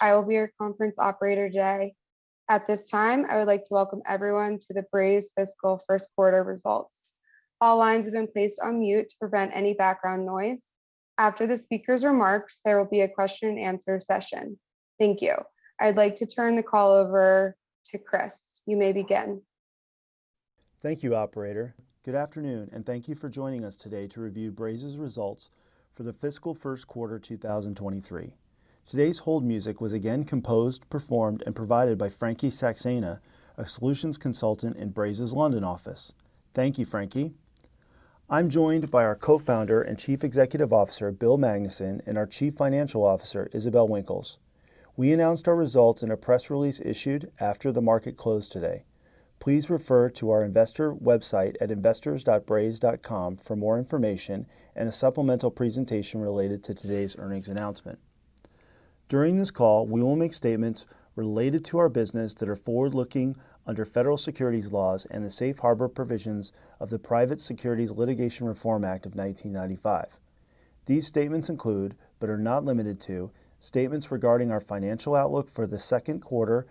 I will be your conference operator today. At this time, I would like to welcome everyone to the Braze Fiscal First Quarter Results. All lines have been placed on mute to prevent any background noise. After the speaker's remarks, there will be a question and answer session. Thank you. I'd like to turn the call over to Chris. You may begin. Thank you, operator. Good afternoon, and thank you for joining us today to review Braze's results for the fiscal first quarter 2023. Today's hold music was again composed, performed, and provided by Frankie Saxena, a solutions consultant in Braze's London office. Thank you, Frankie. I'm joined by our Co-founder and Chief Executive Officer, Bill Magnuson, and our Chief Financial Officer, Isabelle Winkels. We announced our results in a press release issued after the market closed today. Please refer to our investor website at investors.braze.com for more information and a supplemental presentation related to today's earnings announcement. During this call, we will make statements related to our business that are forward-looking under federal securities laws and the Safe Harbor provisions of the Private Securities Litigation Reform Act of 1995. These statements include, but are not limited to, statements regarding our financial outlook for the second quarter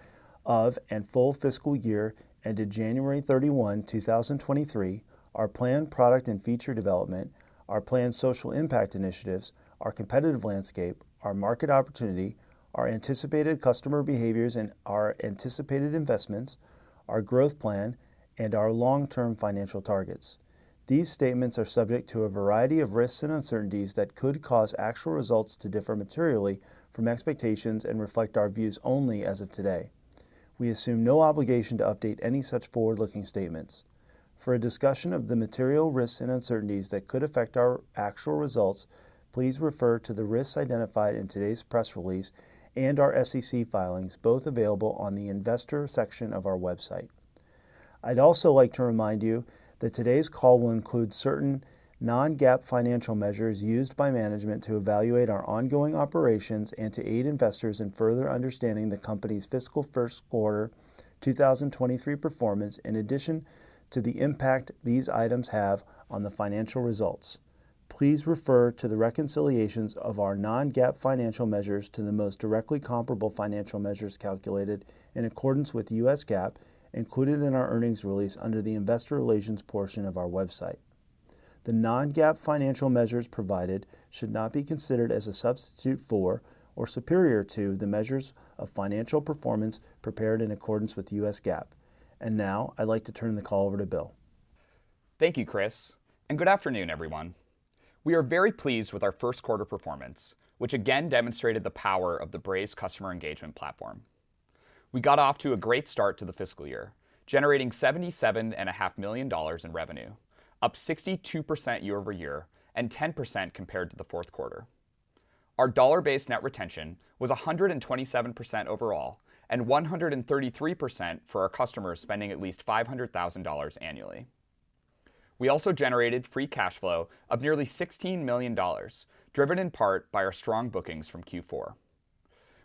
of 2023 and full fiscal year ended January 31, 2023, our planned product and feature development, our planned social impact initiatives, our competitive landscape, our market opportunity, our anticipated customer behaviors and our anticipated investments, our growth plan, and our long-term financial targets. These statements are subject to a variety of risks and uncertainties that could cause actual results to differ materially from expectations and reflect our views only as of today. We assume no obligation to update any such forward-looking statements. For a discussion of the material risks and uncertainties that could affect our actual results, please refer to the risks identified in today's press release and our SEC filings, both available on the investor section of our website. I'd also like to remind you that today's call will include certain non-GAAP financial measures used by management to evaluate our ongoing operations and to aid investors in further understanding the company's fiscal first quarter 2023 performance in addition to the impact these items have on the financial results. Please refer to the reconciliations of our non-GAAP financial measures to the most directly comparable financial measures calculated in accordance with the U.S. GAAP included in our earnings release under the investor relations portion of our website. The non-GAAP financial measures provided should not be considered as a substitute for or superior to the measures of financial performance prepared in accordance with U.S. GAAP. Now, I'd like to turn the call over to Bill. Thank you, Chris, and good afternoon, everyone. We are very pleased with our first quarter performance, which again demonstrated the power of the Braze customer engagement platform. We got off to a great start to the fiscal year, generating $77.5 million in revenue, up 62% year-over-year and 10% compared to the fourth quarter. Our dollar-based net retention was 127% overall and 133% for our customers spending at least $500,000 annually. We also generated free cash flow of nearly $16 million, driven in part by our strong bookings from Q4.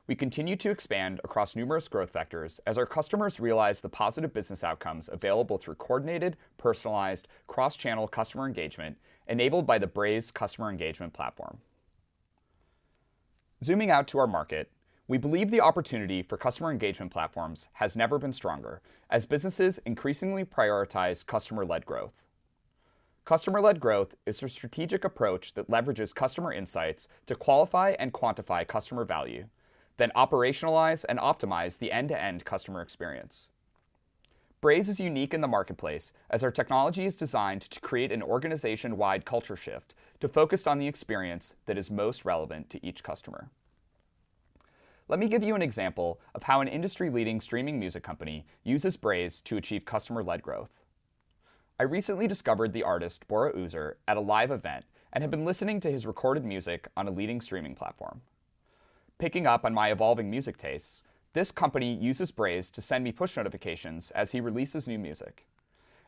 We continue to expand across numerous growth vectors as our customers realize the positive business outcomes available through coordinated, personalized, cross-channel customer engagement enabled by the Braze customer engagement platform. Zooming out to our market, we believe the opportunity for customer engagement platforms has never been stronger as businesses increasingly prioritize customer-led growth. Customer-led growth is a strategic approach that leverages customer insights to qualify and quantify customer value, then operationalize and optimize the end-to-end customer experience. Braze is unique in the marketplace as our technology is designed to create an organization-wide culture shift to focus on the experience that is most relevant to each customer. Let me give you an example of how an industry-leading streaming music company uses Braze to achieve customer-led growth. I recently discovered the artist Bora Üzer at a live event and have been listening to his recorded music on a leading streaming platform. Picking up on my evolving music tastes, this company uses Braze to send me push notifications as he releases new music.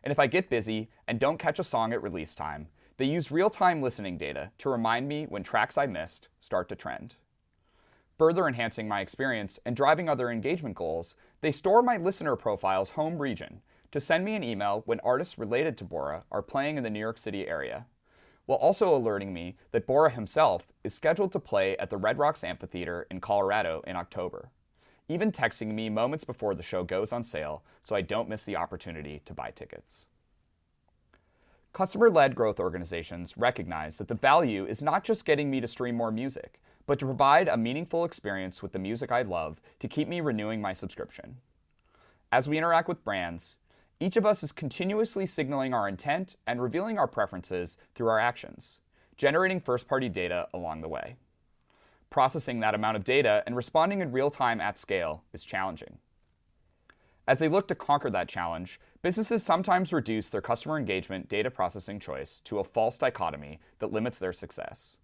If I get busy and don't catch a song at release time, they use real-time listening data to remind me when tracks I missed start to trend. Further enhancing my experience and driving other engagement goals, they store my listener profile's home region to send me an email when artists related to Bora Üzer are playing in the New York City area, while also alerting me that Bora Üzer himself is scheduled to play at the Red Rocks Amphitheatre in Colorado in October, even texting me moments before the show goes on sale, so I don't miss the opportunity to buy tickets. Customer-led growth organizations recognize that the value is not just getting me to stream more music, but to provide a meaningful experience with the music I love to keep me renewing my subscription. As we interact with brands, each of us is continuously signaling our intent and revealing our preferences through our actions, generating first-party data along the way. Processing that amount of data and responding in real time at scale is challenging. As they look to conquer that challenge, businesses sometimes reduce their customer engagement data processing choice to a false dichotomy that limits their success,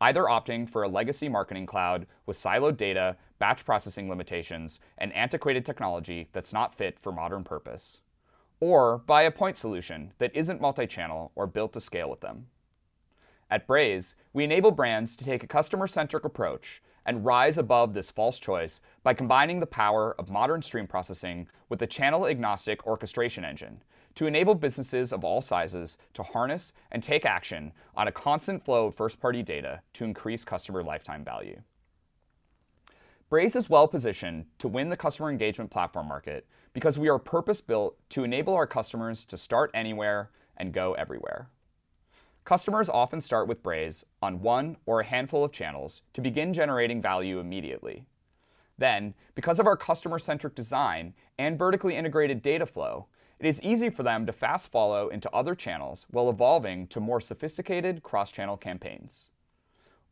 either opting for a legacy marketing cloud with siloed data, batch processing limitations, and antiquated technology that's not fit for modern purpose, or buy a point solution that isn't multi-channel or built to scale with them. At Braze, we enable brands to take a customer-centric approach and rise above this false choice by combining the power of modern stream processing with a channel-agnostic orchestration engine to enable businesses of all sizes to harness and take action on a constant flow of first-party data to increase customer lifetime value. Braze is well positioned to win the customer engagement platform market because we are purpose-built to enable our customers to start anywhere and go everywhere. Customers often start with Braze on one or a handful of channels to begin generating value immediately. Because of our customer-centric design and vertically integrated data flow, it is easy for them to fast follow into other channels while evolving to more sophisticated cross-channel campaigns.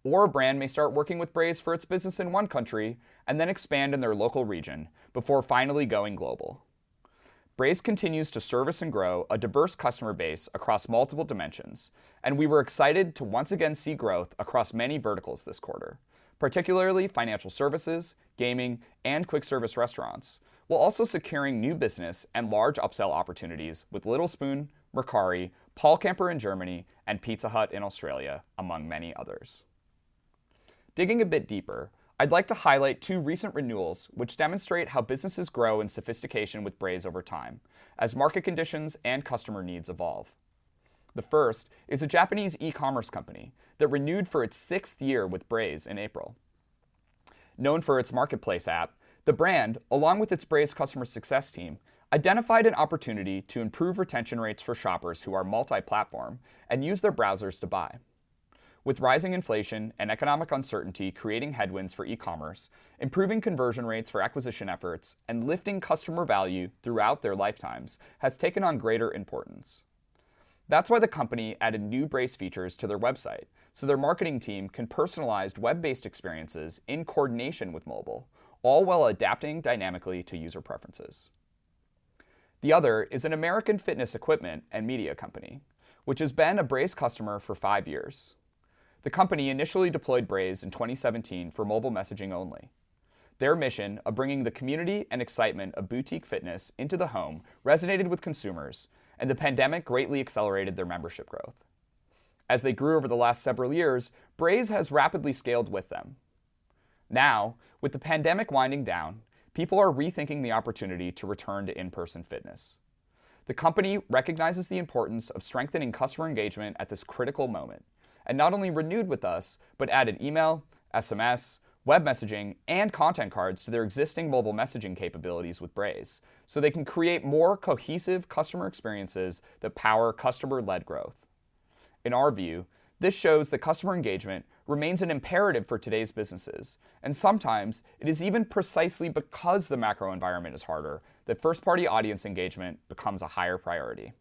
A brand may start working with Braze for its business in one country and then expand in their local region before finally going global. Braze continues to service and grow a diverse customer base across multiple dimensions, and we were excited to once again see growth across many verticals this quarter, particularly financial services, gaming, and quick service restaurants, while also securing new business and large upsell opportunities with Little Spoon, Mercari, PaulCamper in Germany, and Pizza Hut in Australia, among many others. Digging a bit deeper, I'd like to highlight two recent renewals which demonstrate how businesses grow in sophistication with Braze over time as market conditions and customer needs evolve. The first is a Japanese e-commerce company that renewed for its sixth year with Braze in April. Known for its marketplace app, the brand, along with its Braze customer success team, identified an opportunity to improve retention rates for shoppers who are multi-platform and use their browsers to buy. With rising inflation and economic uncertainty creating headwinds for e-commerce, improving conversion rates for acquisition efforts and lifting customer value throughout their lifetimes has taken on greater importance. That's why the company added new Braze features to their website, so their marketing team can personalize web-based experiences in coordination with mobile, all while adapting dynamically to user preferences. The other is an American fitness equipment and media company, which has been a Braze customer for five years. The company initially deployed Braze in 2017 for mobile messaging only. Their mission of bringing the community and excitement of boutique fitness into the home resonated with consumers, and the pandemic greatly accelerated their membership growth. As they grew over the last several years, Braze has rapidly scaled with them. Now, with the pandemic winding down, people are rethinking the opportunity to return to in-person fitness. The company recognizes the importance of strengthening customer engagement at this critical moment, and not only renewed with us, but added email, SMS, web messaging, and Content Cards to their existing mobile messaging capabilities with Braze so they can create more cohesive customer experiences that power customer-led growth. In our view, this shows that customer engagement remains an imperative for today's businesses, and sometimes it is even precisely because the macro environment is harder that first-party audience engagement becomes a higher priority.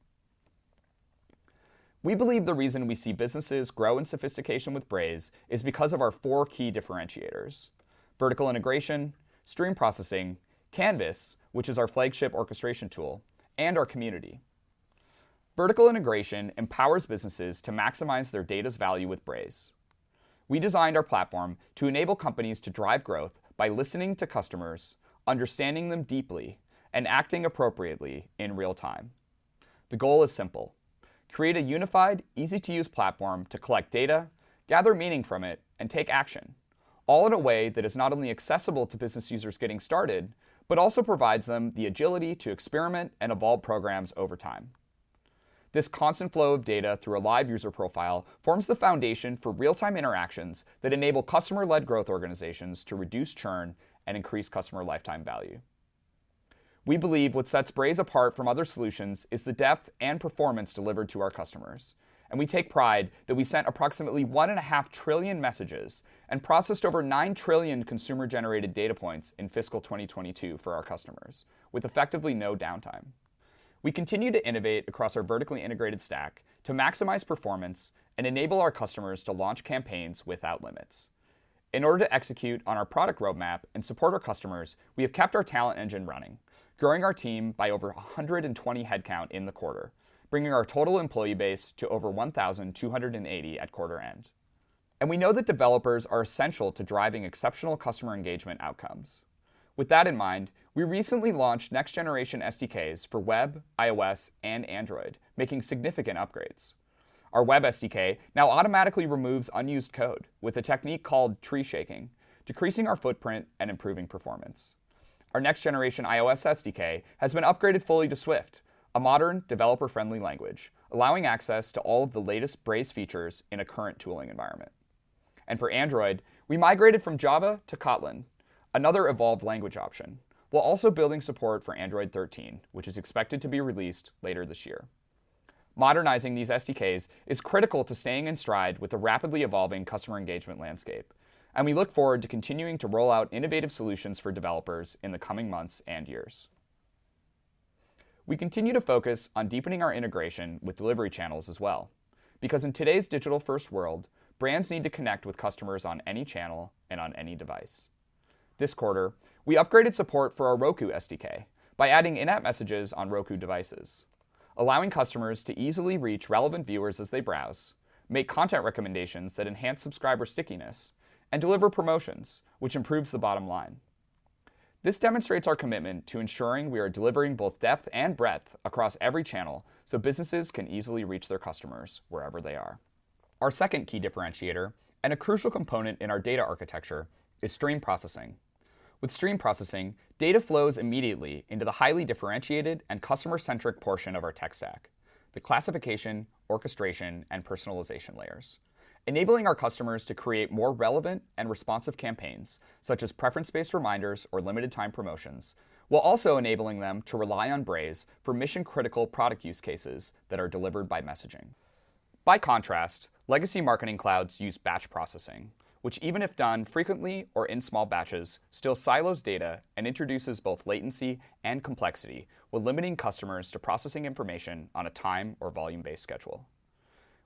We believe the reason we see businesses grow in sophistication with Braze is because of our four key differentiators, vertical integration, stream processing, Canvas, which is our flagship orchestration tool, and our community. Vertical integration empowers businesses to maximize their data's value with Braze. We designed our platform to enable companies to drive growth by listening to customers, understanding them deeply, and acting appropriately in real time. The goal is simple: create a unified, easy-to-use platform to collect data, gather meaning from it, and take action, all in a way that is not only accessible to business users getting started, but also provides them the agility to experiment and evolve programs over time. This constant flow of data through a live user profile forms the foundation for real-time interactions that enable customer-led growth organizations to reduce churn and increase customer lifetime value. We believe what sets Braze apart from other solutions is the depth and performance delivered to our customers, and we take pride that we sent approximately 1.5 trillion messages and processed over 9 trillion consumer-generated data points in fiscal 2022 for our customers with effectively no downtime. We continue to innovate across our vertically integrated stack to maximize performance and enable our customers to launch campaigns without limits. In order to execute on our product roadmap and support our customers, we have kept our talent engine running, growing our team by over 120 headcount in the quarter, bringing our total employee base to over 1,280 at quarter end. We know that developers are essential to driving exceptional customer engagement outcomes. With that in mind, we recently launched next generation SDKs for web, iOS, and Android, making significant upgrades. Our web SDK now automatically removes unused code with a technique called tree shaking, decreasing our footprint and improving performance. Our next generation iOS SDK has been upgraded fully to Swift, a modern developer-friendly language, allowing access to all of the latest Braze features in a current tooling environment. For Android, we migrated from Java to Kotlin, another evolved language option, while also building support for Android 13, which is expected to be released later this year. Modernizing these SDKs is critical to staying in stride with the rapidly evolving customer engagement landscape, and we look forward to continuing to roll out innovative solutions for developers in the coming months and years. We continue to focus on deepening our integration with delivery channels as well, because in today's digital-first world, brands need to connect with customers on any channel and on any device. This quarter, we upgraded support for our Roku SDK by adding in-app messages on Roku devices, allowing customers to easily reach relevant viewers as they browse, make content recommendations that enhance subscriber stickiness, and deliver promotions, which improves the bottom line. This demonstrates our commitment to ensuring we are delivering both depth and breadth across every channel so businesses can easily reach their customers wherever they are. Our second key differentiator and a crucial component in our data architecture is stream processing. With stream processing, data flows immediately into the highly differentiated and customer-centric portion of our tech stack. The classification, orchestration, and personalization layers, enabling our customers to create more relevant and responsive campaigns, such as preference-based reminders or limited time promotions, while also enabling them to rely on Braze for mission-critical product use cases that are delivered by messaging. By contrast, legacy marketing clouds use batch processing, which even if done frequently or in small batches, still silos data and introduces both latency and complexity, while limiting customers to processing information on a time or volume-based schedule.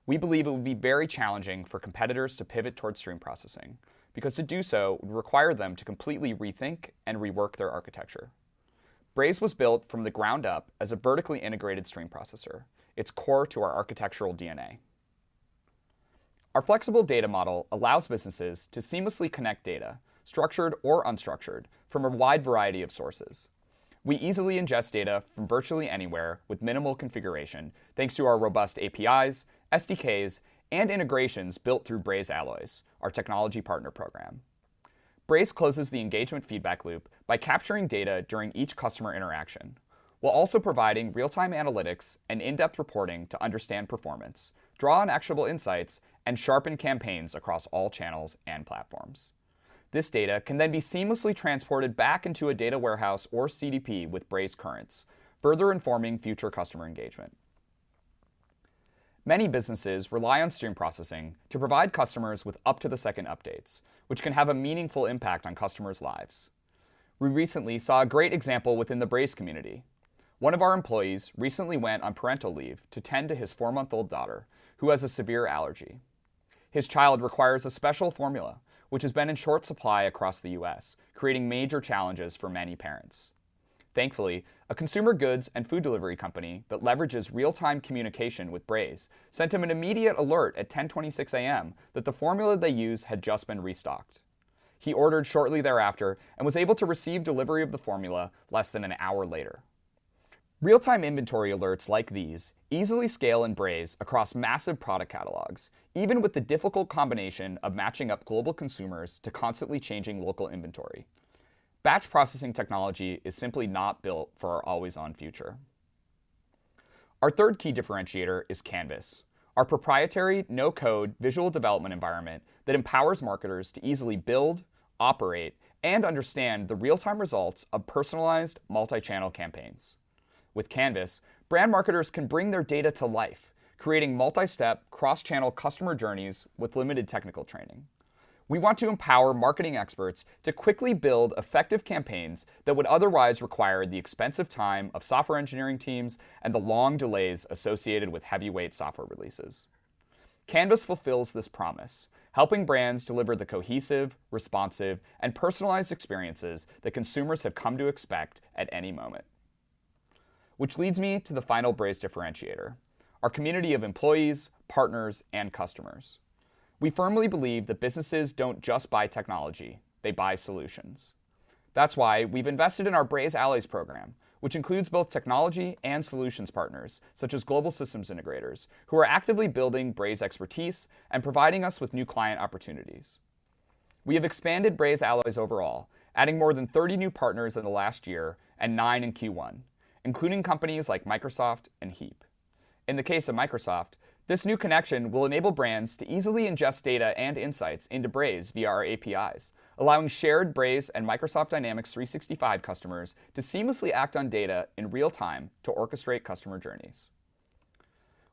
We believe it will be very challenging for competitors to pivot towards stream processing, because to do so would require them to completely rethink and rework their architecture. Braze was built from the ground up as a vertically integrated stream processor. It's core to our architectural DNA. Our flexible data model allows businesses to seamlessly connect data, structured or unstructured, from a wide variety of sources. We easily ingest data from virtually anywhere with minimal configuration thanks to our robust APIs, SDKs, and integrations built through Braze Alloys, our technology partner program. Braze closes the engagement feedback loop by capturing data during each customer interaction, while also providing real-time analytics and in-depth reporting to understand performance, draw on actionable insights, and sharpen campaigns across all channels and platforms. This data can then be seamlessly transported back into a data warehouse or CDP with Braze Currents, further informing future customer engagement. Many businesses rely on stream processing to provide customers with up-to-the-second updates, which can have a meaningful impact on customers' lives. We recently saw a great example within the Braze community. One of our employees recently went on parental leave to tend to his four-month-old daughter who has a severe allergy. His child requires a special formula, which has been in short supply across the U.S., creating major challenges for many parents. Thankfully, a consumer goods and food delivery company that leverages real-time communication with Braze sent him an immediate alert at 10:26 A.M. that the formula they use had just been restocked. He ordered shortly thereafter and was able to receive delivery of the formula less than an hour later. Real-time inventory alerts like these easily scale in Braze across massive product catalogs, even with the difficult combination of matching up global consumers to constantly changing local inventory. Batch processing technology is simply not built for our always-on future. Our third key differentiator is Canvas, our proprietary no-code visual development environment that empowers marketers to easily build, operate, and understand the real-time results of personalized multi-channel campaigns. With Canvas, brand marketers can bring their data to life, creating multi-step, cross-channel customer journeys with limited technical training. We want to empower marketing experts to quickly build effective campaigns that would otherwise require the expensive time of software engineering teams and the long delays associated with heavyweight software releases. Canvas fulfills this promise, helping brands deliver the cohesive, responsive, and personalized experiences that consumers have come to expect at any moment. Which leads me to the final Braze differentiator, our community of employees, partners, and customers. We firmly believe that businesses don't just buy technology, they buy solutions. That's why we've invested in our Braze Alloys program, which includes both technology and solutions partners, such as global systems integrators, who are actively building Braze expertise and providing us with new client opportunities. We have expanded Braze Alloys overall, adding more than 30 new partners in the last year and 9 in Q1, including companies like Microsoft and Heap. In the case of Microsoft, this new connection will enable brands to easily ingest data and insights into Braze via our APIs, allowing shared Braze and Microsoft Dynamics 365 customers to seamlessly act on data in real time to orchestrate customer journeys.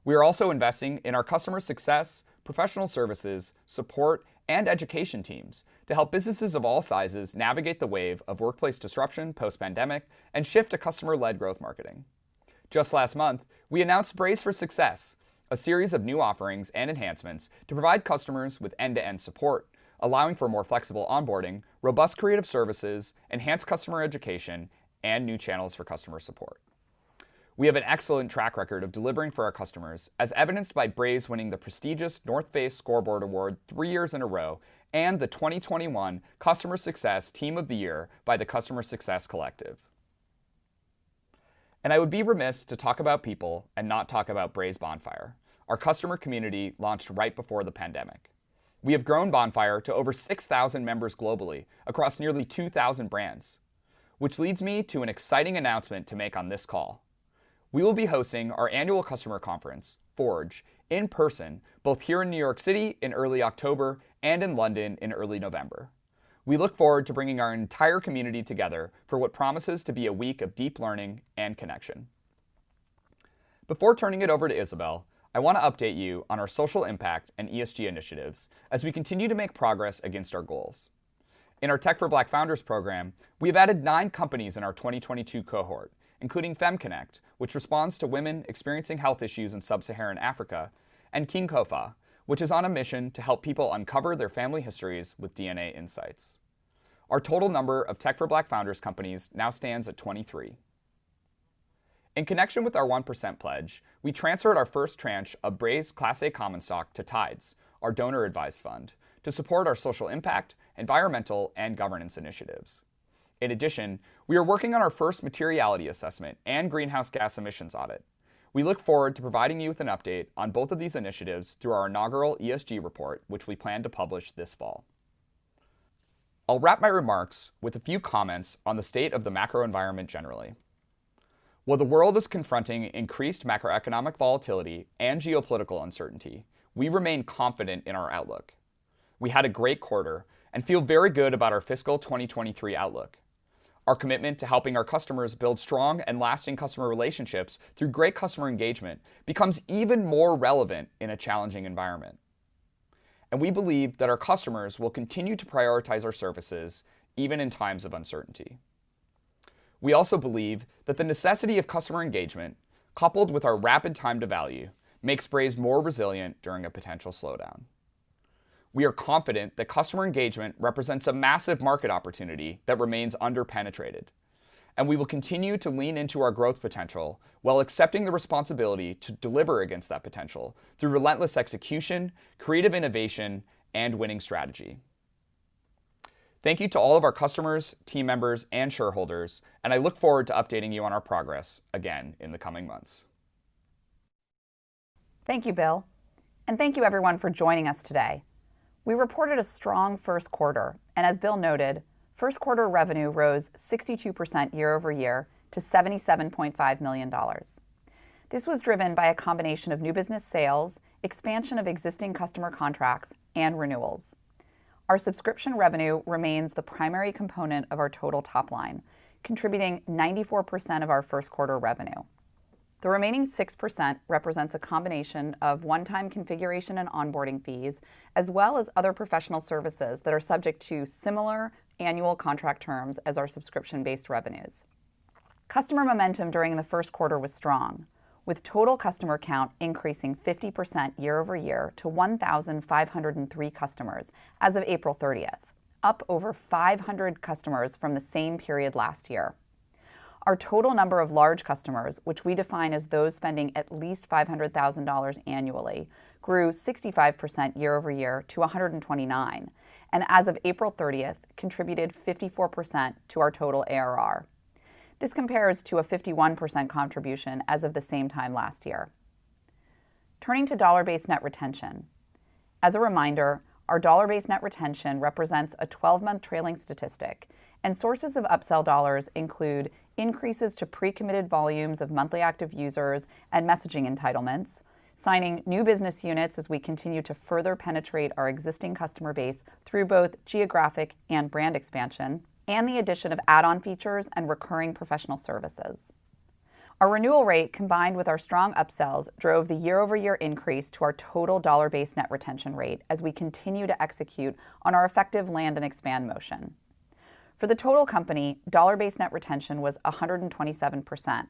We are also investing in our customer success, professional services, support, and education teams to help businesses of all sizes navigate the wave of workplace disruption post-pandemic and shift to customer-led growth marketing. Just last month, we announced Braze for Success, a series of new offerings and enhancements to provide customers with end-to-end support, allowing for more flexible onboarding, robust creative services, enhanced customer education, and new channels for customer support. We have an excellent track record of delivering for our customers, as evidenced by Braze winning the prestigious NorthFace ScoreBoard Award three years in a row and the 2021 Customer Success Team of the Year by the Customer Success Collective. I would be remiss to talk about people and not talk about Braze Bonfire, our customer community launched right before the pandemic. We have grown Bonfire to over 6,000 members globally across nearly 2,000 brands, which leads me to an exciting announcement to make on this call. We will be hosting our annual customer conference, Forge, in person, both here in New York City in early October and in London in early November. We look forward to bringing our entire community together for what promises to be a week of deep learning and connection. Before turning it over to Isabelle, I want to update you on our social impact and ESG initiatives as we continue to make progress against our goals. In our Tech for Black Founders program, we have added 9 companies in our 2022 cohort, including FemConnect, which responds to women experiencing health issues in Sub-Saharan Africa, and kinkofa, which is on a mission to help people uncover their family histories with DNA insights. Our total number of Tech for Black Founders companies now stands at 23. In connection with our one percent pledge, we transferred our first tranche of Braze Class A common stock to Tides, our donor-advised fund, to support our social impact, environmental, and governance initiatives. In addition, we are working on our first materiality assessment and greenhouse gas emissions audit. We look forward to providing you with an update on both of these initiatives through our inaugural ESG report, which we plan to publish this fall. I'll wrap my remarks with a few comments on the state of the macro environment generally. While the world is confronting increased macroeconomic volatility and geopolitical uncertainty, we remain confident in our outlook. We had a great quarter and feel very good about our fiscal 2023 outlook. Our commitment to helping our customers build strong and lasting customer relationships through great customer engagement becomes even more relevant in a challenging environment. We believe that our customers will continue to prioritize our services even in times of uncertainty. We also believe that the necessity of customer engagement, coupled with our rapid time to value, makes Braze more resilient during a potential slowdown. We are confident that customer engagement represents a massive market opportunity that remains underpenetrated, and we will continue to lean into our growth potential while accepting the responsibility to deliver against that potential through relentless execution, creative innovation, and winning strategy. Thank you to all of our customers, team members, and shareholders, and I look forward to updating you on our progress again in the coming months. Thank you, Bill, and thank you everyone for joining us today. We reported a strong first quarter, and as Bill noted, first quarter revenue rose 62% year-over-year to $77.5 million. This was driven by a combination of new business sales, expansion of existing customer contracts, and renewals. Our subscription revenue remains the primary component of our total top line, contributing 94% of our first quarter revenue. The remaining 6% represents a combination of one-time configuration and onboarding fees, as well as other professional services that are subject to similar annual contract terms as our subscription-based revenues. Customer momentum during the first quarter was strong, with total customer count increasing 50% year-over-year to 1,503 customers as of April 30, up over 500 customers from the same period last year. Our total number of large customers, which we define as those spending at least $500,000 annually, grew 65% year-over-year to 129, and as of April thirtieth, contributed 54% to our total ARR. This compares to a 51% contribution as of the same time last year. Turning to dollar-based net retention. As a reminder, our dollar-based net retention represents a 12-month trailing statistic, and sources of upsell dollars include increases to pre-committed volumes of monthly active users and messaging entitlements, signing new business units as we continue to further penetrate our existing customer base through both geographic and brand expansion, and the addition of add-on features and recurring professional services. Our renewal rate, combined with our strong upsells, drove the year-over-year increase to our total dollar-based net retention rate as we continue to execute on our effective land and expand motion. For the total company, dollar-based net retention was 127%,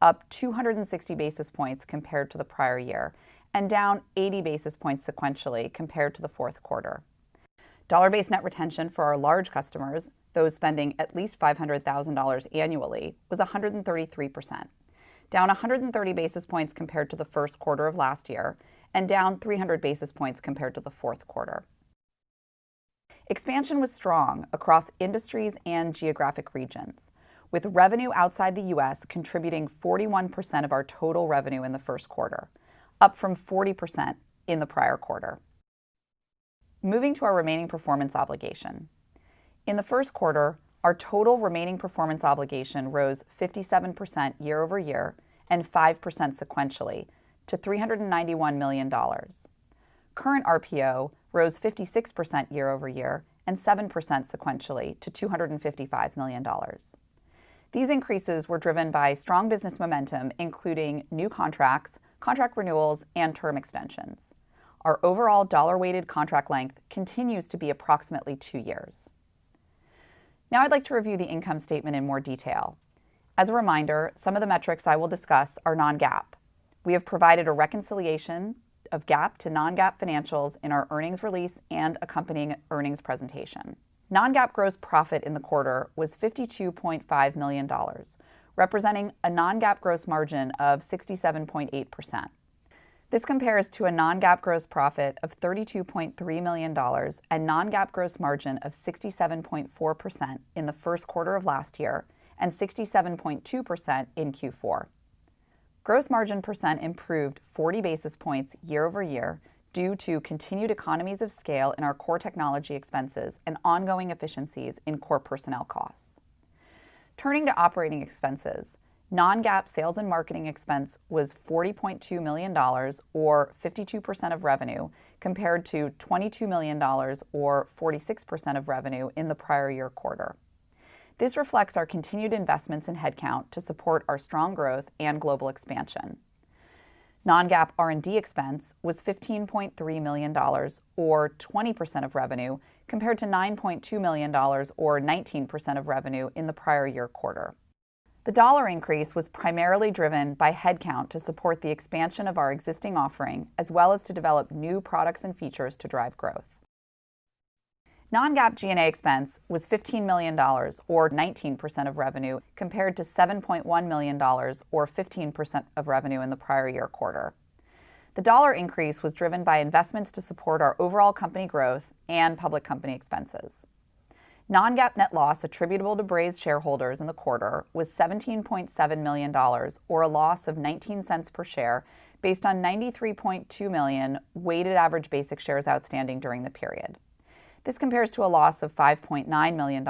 up 260 basis points compared to the prior year and down 80 basis points sequentially compared to the fourth quarter. Dollar-based net retention for our large customers, those spending at least $500,000 annually, was 133%, down 130 basis points compared to the first quarter of last year and down 300 basis points compared to the fourth quarter. Expansion was strong across industries and geographic regions, with revenue outside the US contributing 41% of our total revenue in the first quarter, up from 40% in the prior quarter. Moving to our remaining performance obligation. In the first quarter, our total remaining performance obligation rose 57% year-over-year and 5% sequentially to $391 million. Current RPO rose 56% year-over-year and 7% sequentially to $255 million. These increases were driven by strong business momentum, including new contracts, contract renewals, and term extensions. Our overall dollar-weighted contract length continues to be approximately 2 years. Now I'd like to review the income statement in more detail. As a reminder, some of the metrics I will discuss are non-GAAP. We have provided a reconciliation of GAAP to non-GAAP financials in our earnings release and accompanying earnings presentation. Non-GAAP gross profit in the quarter was $52.5 million, representing a non-GAAP gross margin of 67.8%. This compares to a non-GAAP gross profit of $32.3 million and non-GAAP gross margin of 67.4% in the first quarter of last year and 67.2% in Q4. Gross margin percent improved 40 basis points year-over-year due to continued economies of scale in our core technology expenses and ongoing efficiencies in core personnel costs. Turning to operating expenses, non-GAAP sales and marketing expense was $40.2 million or 52% of revenue, compared to $22 million or 46% of revenue in the prior year quarter. This reflects our continued investments in headcount to support our strong growth and global expansion. Non-GAAP R&D expense was $15.3 million or 20% of revenue, compared to $9.2 million or 19% of revenue in the prior year quarter. The dollar increase was primarily driven by headcount to support the expansion of our existing offering, as well as to develop new products and features to drive growth. Non-GAAP G&A expense was $15 million or 19% of revenue, compared to $7.1 million or 15% of revenue in the prior year quarter. The dollar increase was driven by investments to support our overall company growth and public company expenses. Non-GAAP net loss attributable to Braze shareholders in the quarter was $17.7 million, or a loss of $0.19 per share based on 93.2 million weighted average basic shares outstanding during the period. This compares to a loss of $5.9 million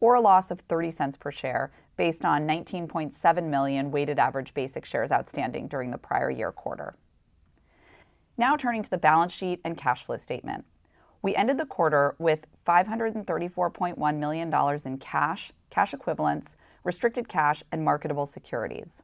or a loss of $0.30 per share based on 19.7 million weighted average basic shares outstanding during the prior year quarter. Now turning to the balance sheet and cash flow statement. We ended the quarter with $534.1 million in cash equivalents, restricted cash and marketable securities.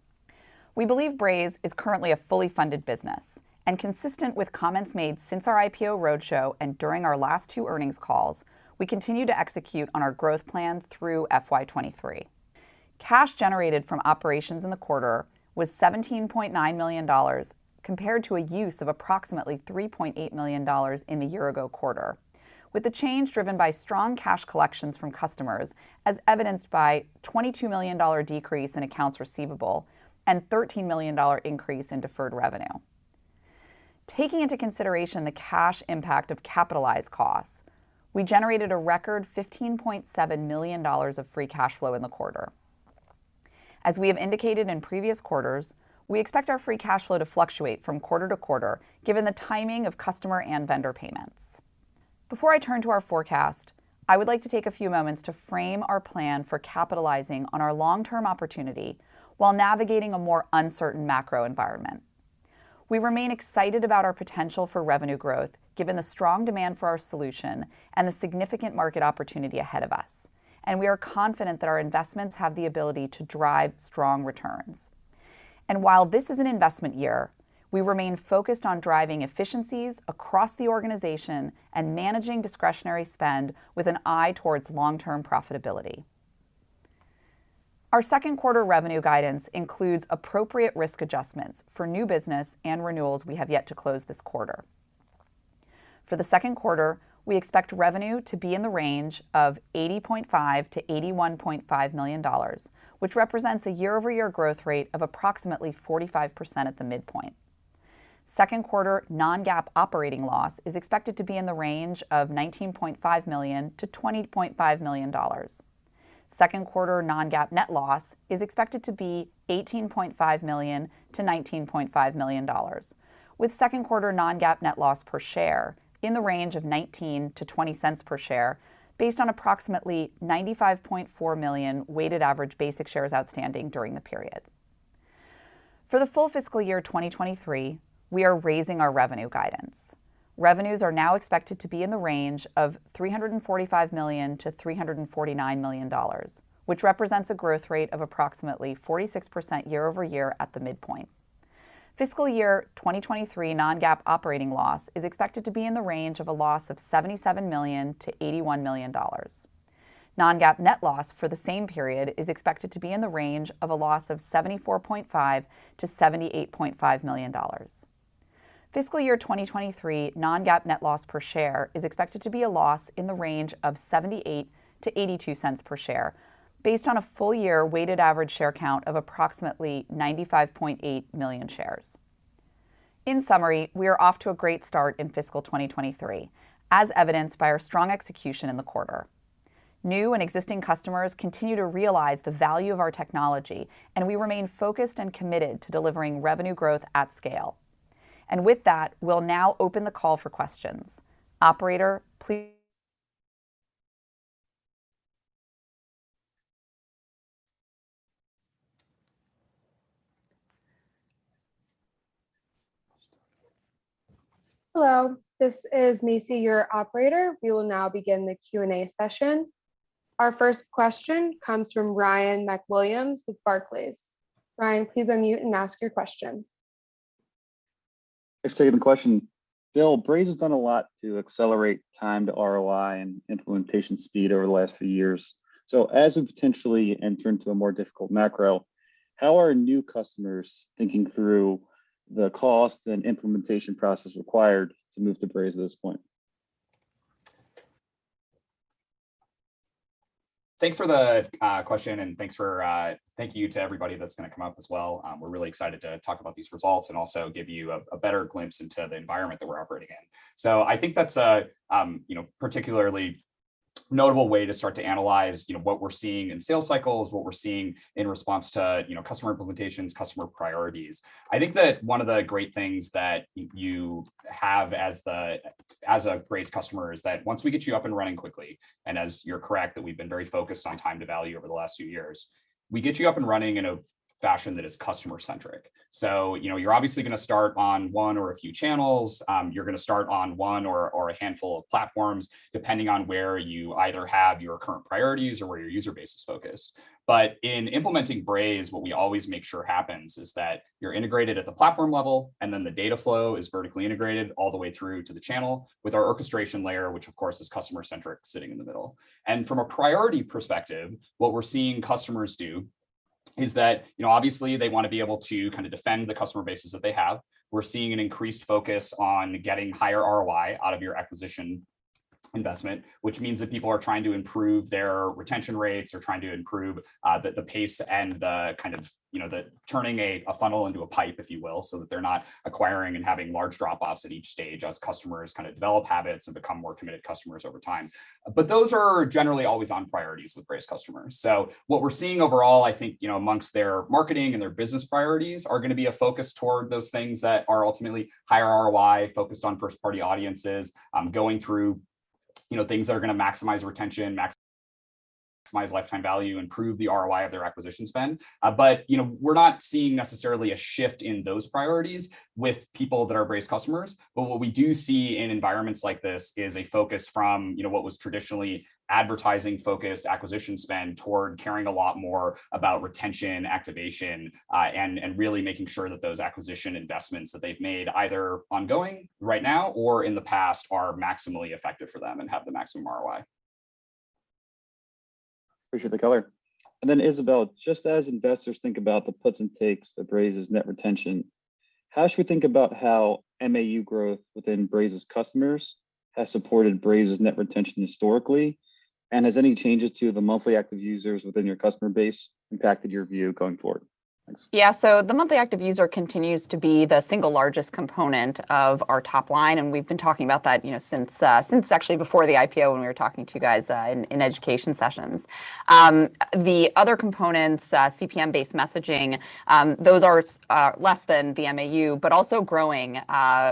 We believe Braze is currently a fully funded business and consistent with comments made since our IPO roadshow and during our last two earnings calls, we continue to execute on our growth plan through FY 2023. Cash generated from operations in the quarter was $17.9 million compared to a use of approximately $3.8 million in the year ago quarter, with the change driven by strong cash collections from customers as evidenced by $22 million decrease in accounts receivable and $13 million increase in deferred revenue. Taking into consideration the cash impact of capitalized costs, we generated a record $15.7 million of free cash flow in the quarter. As we have indicated in previous quarters, we expect our free cash flow to fluctuate from quarter to quarter given the timing of customer and vendor payments. Before I turn to our forecast, I would like to take a few moments to frame our plan for capitalizing on our long-term opportunity while navigating a more uncertain macro environment. We remain excited about our potential for revenue growth given the strong demand for our solution and the significant market opportunity ahead of us, and we are confident that our investments have the ability to drive strong returns. While this is an investment year, we remain focused on driving efficiencies across the organization and managing discretionary spend with an eye towards long-term profitability. Our second quarter revenue guidance includes appropriate risk adjustments for new business and renewals we have yet to close this quarter. For the second quarter, we expect revenue to be in the range of $80.5 million-$81.5 million, which represents a year-over-year growth rate of approximately 45% at the midpoint. Second quarter non-GAAP operating loss is expected to be in the range of $19.5 million-$20.5 million. Second quarter non-GAAP net loss is expected to be $18.5 million-$19.5 million, with second quarter non-GAAP net loss per share in the range of $0.19-$0.20 per share based on approximately 95.4 million weighted average basic shares outstanding during the period. For the full fiscal year 2023, we are raising our revenue guidance. Revenues are now expected to be in the range of $345 million-$349 million, which represents a growth rate of approximately 46% year-over-year at the midpoint. Fiscal year 2023 non-GAAP operating loss is expected to be in the range of a loss of $77 million-$81 million. Non-GAAP net loss for the same period is expected to be in the range of a loss of $74.5 million-$78.5 million. Fiscal year 2023 non-GAAP net loss per share is expected to be a loss in the range of $0.78-$0.82 per share based on a full year weighted average share count of approximately 95.8 million shares. In summary, we are off to a great start in fiscal 2023, as evidenced by our strong execution in the quarter. New and existing customers continue to realize the value of our technology, and we remain focused and committed to delivering revenue growth at scale. With that, we'll now open the call for questions. Operator, please. Hello, this is Macy, your operator. We will now begin the Q&A session. Our first question comes from Ryan MacWilliams with Barclays. Ryan, please unmute and ask your question. Thanks for taking the question. Bill, Braze has done a lot to accelerate time to ROI and implementation speed over the last few years. As we potentially enter into a more difficult macro, how are new customers thinking through the cost and implementation process required to move to Braze at this point? Thanks for the question, and thank you to everybody that's gonna come up as well. We're really excited to talk about these results and also give you a better glimpse into the environment that we're operating in. I think that's a particularly notable way to start to analyze what we're seeing in sales cycles, what we're seeing in response to customer implementations, customer priorities. I think that one of the great things that you have as a Braze customer is that once we get you up and running quickly, and as you're correct, that we've been very focused on time to value over the last few years, we get you up and running in a fashion that is customer-centric. You know, you're obviously gonna start on one or a few channels. You're gonna start on one or a handful of platforms, depending on where you either have your current priorities or where your user base is focused. In implementing Braze, what we always make sure happens is that you're integrated at the platform level, and then the data flow is vertically integrated all the way through to the channel with our orchestration layer, which of course is customer-centric, sitting in the middle. From a priority perspective, what we're seeing customers do is that, you know, obviously they wanna be able to kind of defend the customer bases that they have. We're seeing an increased focus on getting higher ROI out of your acquisition investment, which means that people are trying to improve their retention rates, they're trying to improve the pace and the kind of, you know, the turning a funnel into a pipe, if you will, so that they're not acquiring and having large drop-offs at each stage as customers kind of develop habits and become more committed customers over time. Those are generally always on priorities with Braze customers. What we're seeing overall, I think, you know, amongst their marketing and their business priorities are gonna be a focus toward those things that are ultimately higher ROI, focused on first-party audiences, going through, you know, things that are gonna maximize retention, maximize lifetime value, improve the ROI of their acquisition spend. You know, we're not seeing necessarily a shift in those priorities with people that are Braze customers. What we do see in environments like this is a focus from, you know, what was traditionally advertising-focused acquisition spend toward caring a lot more about retention, activation, and really making sure that those acquisition investments that they've made, either ongoing right now or in the past, are maximally effective for them and have the maximum ROI. Appreciate the color. Then Isabelle, just as investors think about the puts and takes of Braze's net retention, how should we think about how MAU growth within Braze's customers has supported Braze's net retention historically? Has any changes to the monthly active users within your customer base impacted your view going forward? Thanks. Yeah. The monthly active user continues to be the single largest component of our top line, and we've been talking about that, you know, since actually before the IPO when we were talking to you guys in education sessions. The other components, CPM-based messaging, those are less than the MAU, but also growing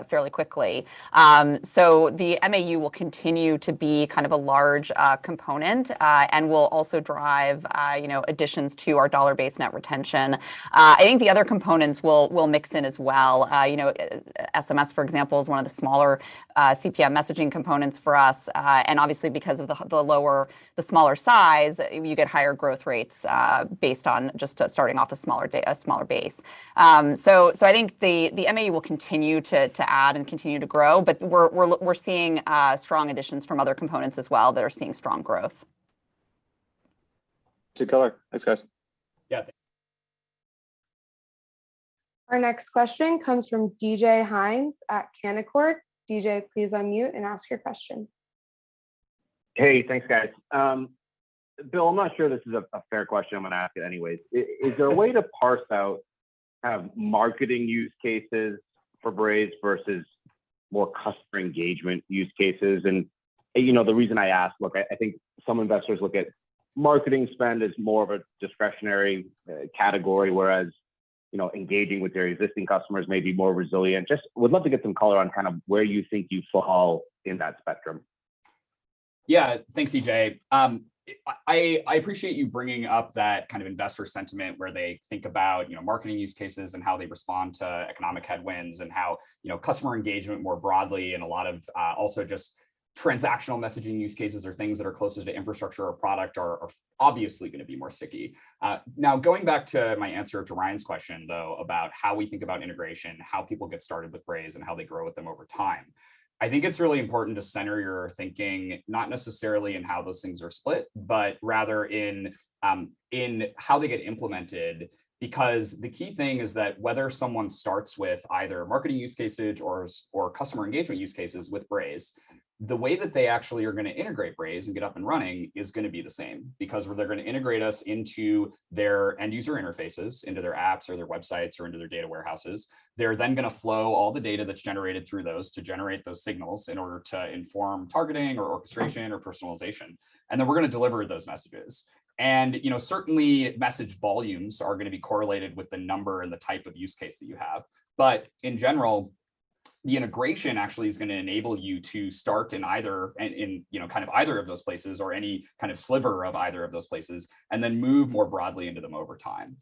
fairly quickly. The MAU will continue to be kind of a large component, and will also drive, you know, additions to our dollar-based net retention. I think the other components will mix in as well. You know, SMS for example, is one of the smaller CPM messaging components for us. Obviously because of the smaller size, you get higher growth rates, based on just starting off a smaller base. I think the MAU will continue to add and continue to grow, but we're seeing strong additions from other components as well that are seeing strong growth. Good color. Thanks, guys. Yeah. Our next question comes from David Hynes at Canaccord Genuity. David, please unmute and ask your question. Hey, thanks guys. Bill, I'm not sure this is a fair question. I'm gonna ask it anyways. Is there a way to parse out kind of marketing use cases for Braze versus more customer engagement use cases? You know, the reason I ask, look, I think some investors look at marketing spend as more of a discretionary category, whereas, you know, engaging with their existing customers may be more resilient. Just would love to get some color on kind of where you think you fall in that spectrum. Yeah. Thanks, DJ. I appreciate you bringing up that kind of investor sentiment where they think about, you know, marketing use cases and how they respond to economic headwinds and how, you know, customer engagement more broadly and a lot of, also just transactional messaging use cases or things that are closer to infrastructure or product are obviously gonna be more sticky. Now going back to my answer to Hynes' question though about how we think about integration, how people get started with Braze, and how they grow with them over time. I think it's really important to center your thinking not necessarily in how those things are split, but rather in how they get implemented. Because the key thing is that whether someone starts with either marketing use cases or customer engagement use cases with Braze, the way that they actually are gonna integrate Braze and get up and running is gonna be the same. Because they're gonna integrate us into their end user interfaces, into their apps or their websites or into their data warehouses. They're then gonna flow all the data that's generated through those to generate those signals in order to inform targeting or orchestration or personalization. Then we're gonna deliver those messages. You know, certainly message volumes are gonna be correlated with the number and the type of use case that you have. In general, the integration actually is gonna enable you to start in either, you know, kind of either of those places or any kind of sliver of either of those places, and then move more broadly into them over time.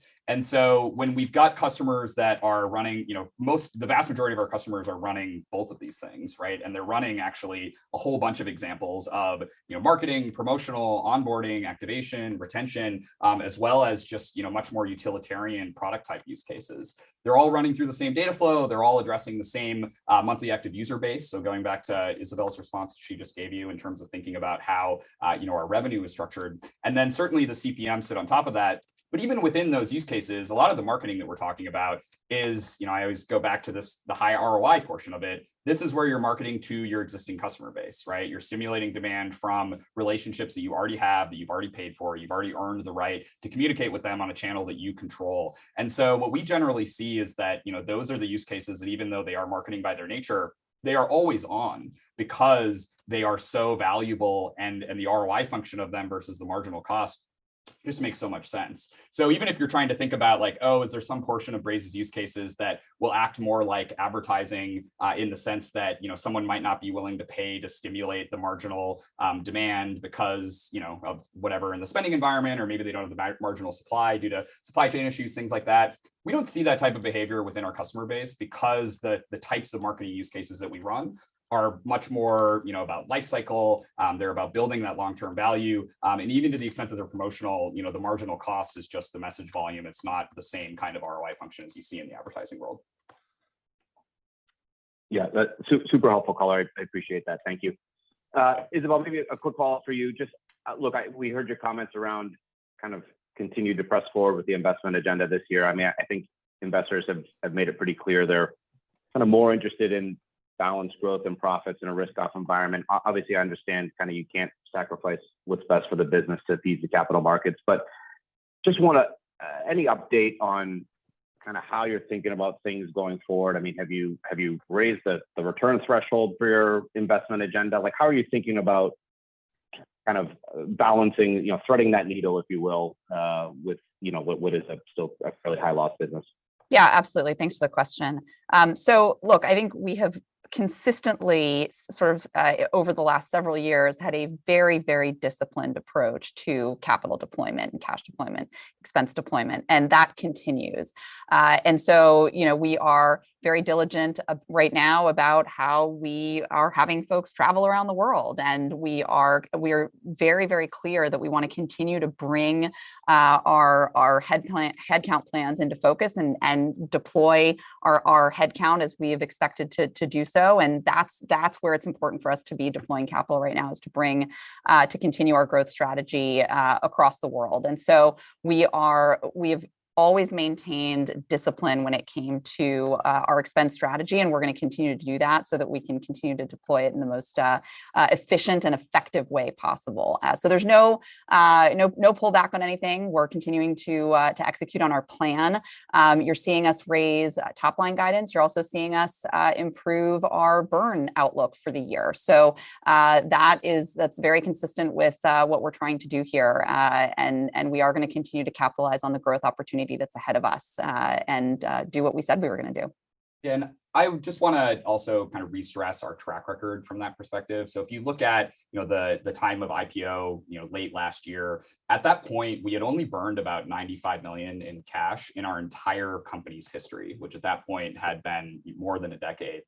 When we've got customers that are running, you know, most, the vast majority of our customers are running both of these things, right? They're running actually a whole bunch of examples of, you know, marketing, promotional, onboarding, activation, retention, as well as just, you know, much more utilitarian product type use cases. They're all running through the same data flow. They're all addressing the same monthly active user base. Going back to Isabelle's response that she just gave you in terms of thinking about how, you know, our revenue is structured, and then certainly the CPM sit on top of that. But even within those use cases, a lot of the marketing that we're talking about is, you know, I always go back to this, the high ROI portion of it. This is where you're marketing to your existing customer base, right? You're stimulating demand from relationships that you already have, that you've already paid for, you've already earned the right to communicate with them on a channel that you control. What we generally see is that, you know, those are the use cases that even though they are marketing by their nature, they are always on because they are so valuable and the ROI function of them versus the marginal cost just makes so much sense. Even if you're trying to think about like, oh, is there some portion of Braze's use cases that will act more like advertising, in the sense that, you know, someone might not be willing to pay to stimulate the marginal demand because, you know, of whatever in the spending environment, or maybe they don't have the marginal supply due to supply chain issues, things like that. We don't see that type of behavior within our customer base because the types of marketing use cases that we run are much more, you know, about lifecycle. They're about building that long-term value. Even to the extent that they're promotional, you know, the marginal cost is just the message volume. It's not the same kind of ROI function as you see in the advertising world. Yeah. Super helpful color. I appreciate that. Thank you. Isabelle, maybe a quick follow-up for you. We heard your comments around kind of continue to press forward with the investment agenda this year. I mean, I think investors have made it pretty clear they're kind of more interested in balanced growth and profits in a risk off environment. Obviously, I understand kinda you can't sacrifice what's best for the business to feed the capital markets, but Just wanna any update on kinda how you're thinking about things going forward? I mean, have you raised the return threshold for your investment agenda? Like, how are you thinking about kind of balancing, you know, threading that needle, if you will, with, you know, what is still a fairly high-loss business? Yeah, absolutely. Thanks for the question. So look, I think we have consistently sort of over the last several years had a very, very disciplined approach to capital deployment and cash deployment, expense deployment, and that continues. You know, we are very diligent right now about how we are having folks travel around the world, and we are very, very clear that we wanna continue to bring our headcount plans into focus and deploy our headcount as we have expected to do so. That's where it's important for us to be deploying capital right now, is to continue our growth strategy across the world. We have always maintained discipline when it came to our expense strategy, and we're gonna continue to do that so that we can continue to deploy it in the most efficient and effective way possible. There's no pullback on anything. We're continuing to execute on our plan. You're seeing us raise top-line guidance. You're also seeing us improve our burn outlook for the year. That's very consistent with what we're trying to do here. We are gonna continue to capitalize on the growth opportunity that's ahead of us and do what we said we were gonna do. Yeah. I just wanna also kind of re-stress our track record from that perspective. If you look at, you know, the time of IPO, you know, late last year, at that point, we had only burned about $95 million in cash in our entire company's history, which at that point had been more than a decade.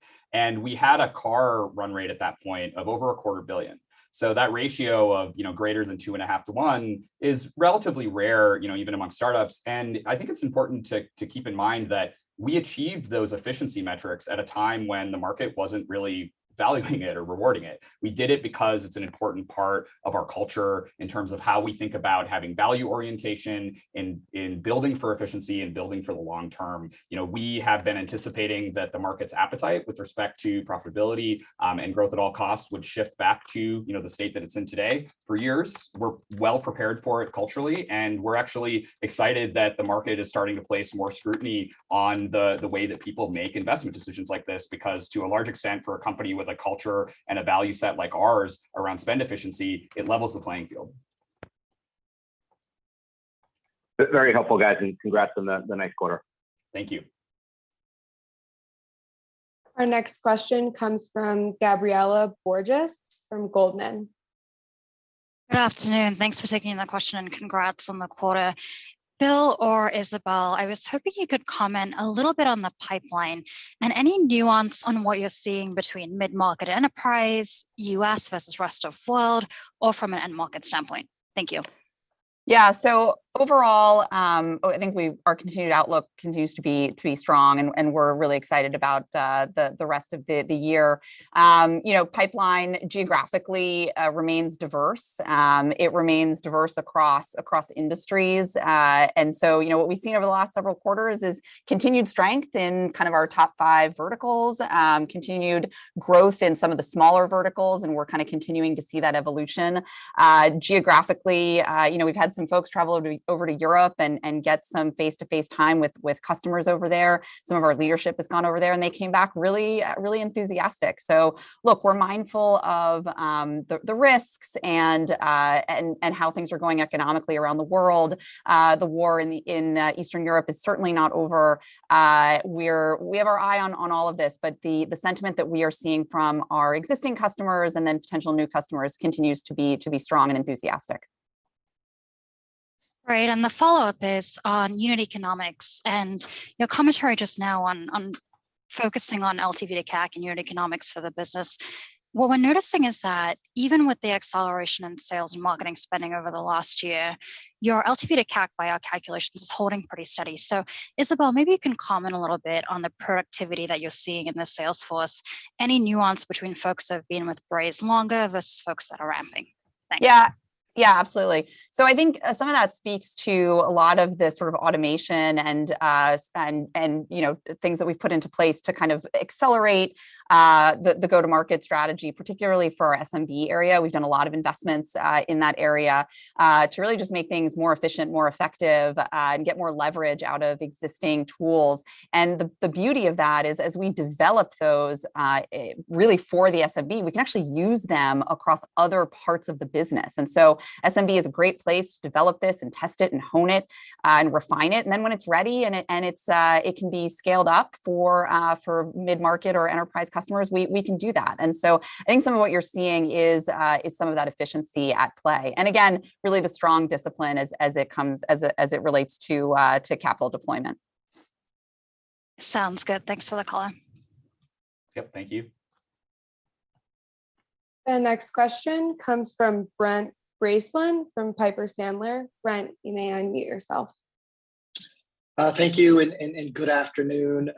We had an ARR run rate at that point of over a quarter billion. That ratio of, you know, greater than 2.5 to 1 is relatively rare, you know, even among startups. I think it's important to keep in mind that we achieved those efficiency metrics at a time when the market wasn't really valuing it or rewarding it. We did it because it's an important part of our culture in terms of how we think about having value orientation in building for efficiency and building for the long term. You know, we have been anticipating that the market's appetite with respect to profitability and growth at all costs would shift back to, you know, the state that it's in today, for years. We're well-prepared for it culturally, and we're actually excited that the market is starting to place more scrutiny on the way that people make investment decisions like this. Because to a large extent, for a company with a culture and a value set like ours around spend efficiency, it levels the playing field. Very helpful, guys, and congrats on the nice quarter. Thank you. Our next question comes from Gabriela Borges from Goldman. Good afternoon. Thanks for taking the question, and congrats on the quarter. Bill or Isabelle, I was hoping you could comment a little bit on the pipeline and any nuance on what you're seeing between mid-market enterprise, U.S. versus rest of world, or from an end market standpoint. Thank you. Yeah. Overall, I think our continued outlook continues to be strong, and we're really excited about the rest of the year. You know, pipeline geographically remains diverse. It remains diverse across industries. You know, what we've seen over the last several quarters is continued strength in kind of our top five verticals, continued growth in some of the smaller verticals, and we're kinda continuing to see that evolution. Geographically, you know, we've had some folks travel over to Europe and get some face-to-face time with customers over there. Some of our leadership has gone over there, and they came back really enthusiastic. Look, we're mindful of the risks and how things are going economically around the world. The war in Eastern Europe is certainly not over. We have our eye on all of this, but the sentiment that we are seeing from our existing customers and then potential new customers continues to be strong and enthusiastic. Great. The follow-up is on unit economics and your commentary just now on focusing on LTV to CAC and unit economics for the business. What we're noticing is that even with the acceleration in sales and marketing spending over the last year, your LTV to CAC, by our calculations, is holding pretty steady. Isabelle, maybe you can comment a little bit on the productivity that you're seeing in the sales force. Any nuance between folks who have been with Braze longer versus folks that are ramping? Thanks. Yeah. Yeah, absolutely. I think some of that speaks to a lot of the sort of automation and you know things that we've put into place to kind of accelerate the go-to-market strategy, particularly for our SMB area. We've done a lot of investments in that area to really just make things more efficient, more effective and get more leverage out of existing tools. The beauty of that is, as we develop those really for the SMB, we can actually use them across other parts of the business. SMB is a great place to develop this and test it and hone it and refine it. When it's ready and it can be scaled up for mid-market or enterprise customers, we can do that. I think some of what you're seeing is some of that efficiency at play. Again, really the strong discipline as it relates to capital deployment. Sounds good. Thanks for the color. Yep, thank you. The next question comes from Brent Bracelin from Piper Sandler. Brent, you may unmute yourself. Thank you and good afternoon.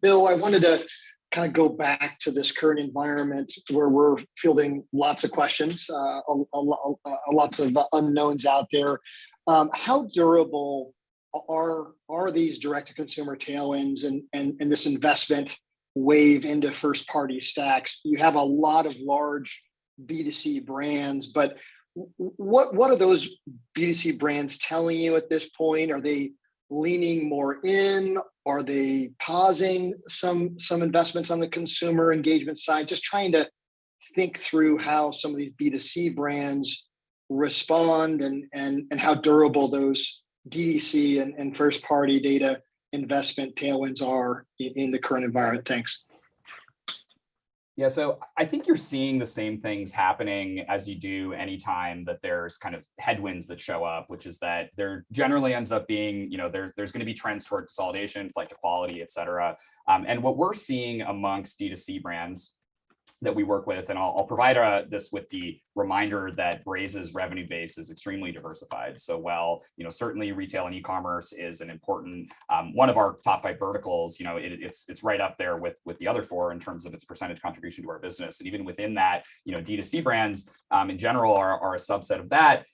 Bill, I wanted to kinda go back to this current environment where we're fielding lots of questions, lots of unknowns out there. How durable- Are these direct-to-consumer tailwinds and this investment wave into first-party stacks? You have a lot of large B2C brands, but what are those B2C brands telling you at this point? Are they leaning more in? Are they pausing some investments on the consumer engagement side? Just trying to think through how some of these B2C brands respond and how durable those D2C and first-party data investment tailwinds are in the current environment. Thanks. Yeah. I think you're seeing the same things happening as you do any time that there's kind of headwinds that show up, which is that there generally ends up being. You know, there's gonna be trends toward consolidation, flight to quality, et cetera. And what we're seeing among D2C brands that we work with, and I'll provide this with the reminder that Braze's revenue base is extremely diversified. While you know, certainly retail and e-commerce is an important one of our top five verticals, you know, it's right up there with the other four in terms of its percentage contribution to our business. Even within that, you know, D2C brands in general are a subset of that.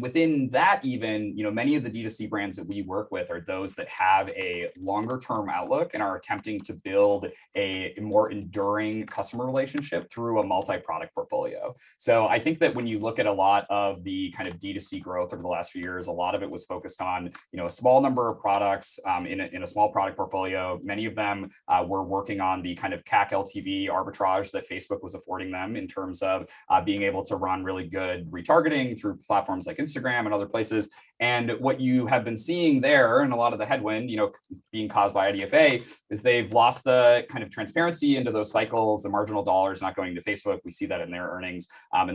Within that even, you know, many of the D2C brands that we work with are those that have a longer term outlook and are attempting to build a more enduring customer relationship through a multi-product portfolio. I think that when you look at a lot of the kind of D2C growth over the last few years, a lot of it was focused on, you know, a small number of products in a small product portfolio. Many of them were working on the kind of CAC LTV arbitrage that Facebook was affording them in terms of being able to run really good retargeting through platforms like Instagram and other places. What you have been seeing there, and a lot of the headwind, you know, being caused by IDFA, is they've lost the kind of transparency into those cycles. The marginal dollar is not going to Facebook. We see that in their earnings.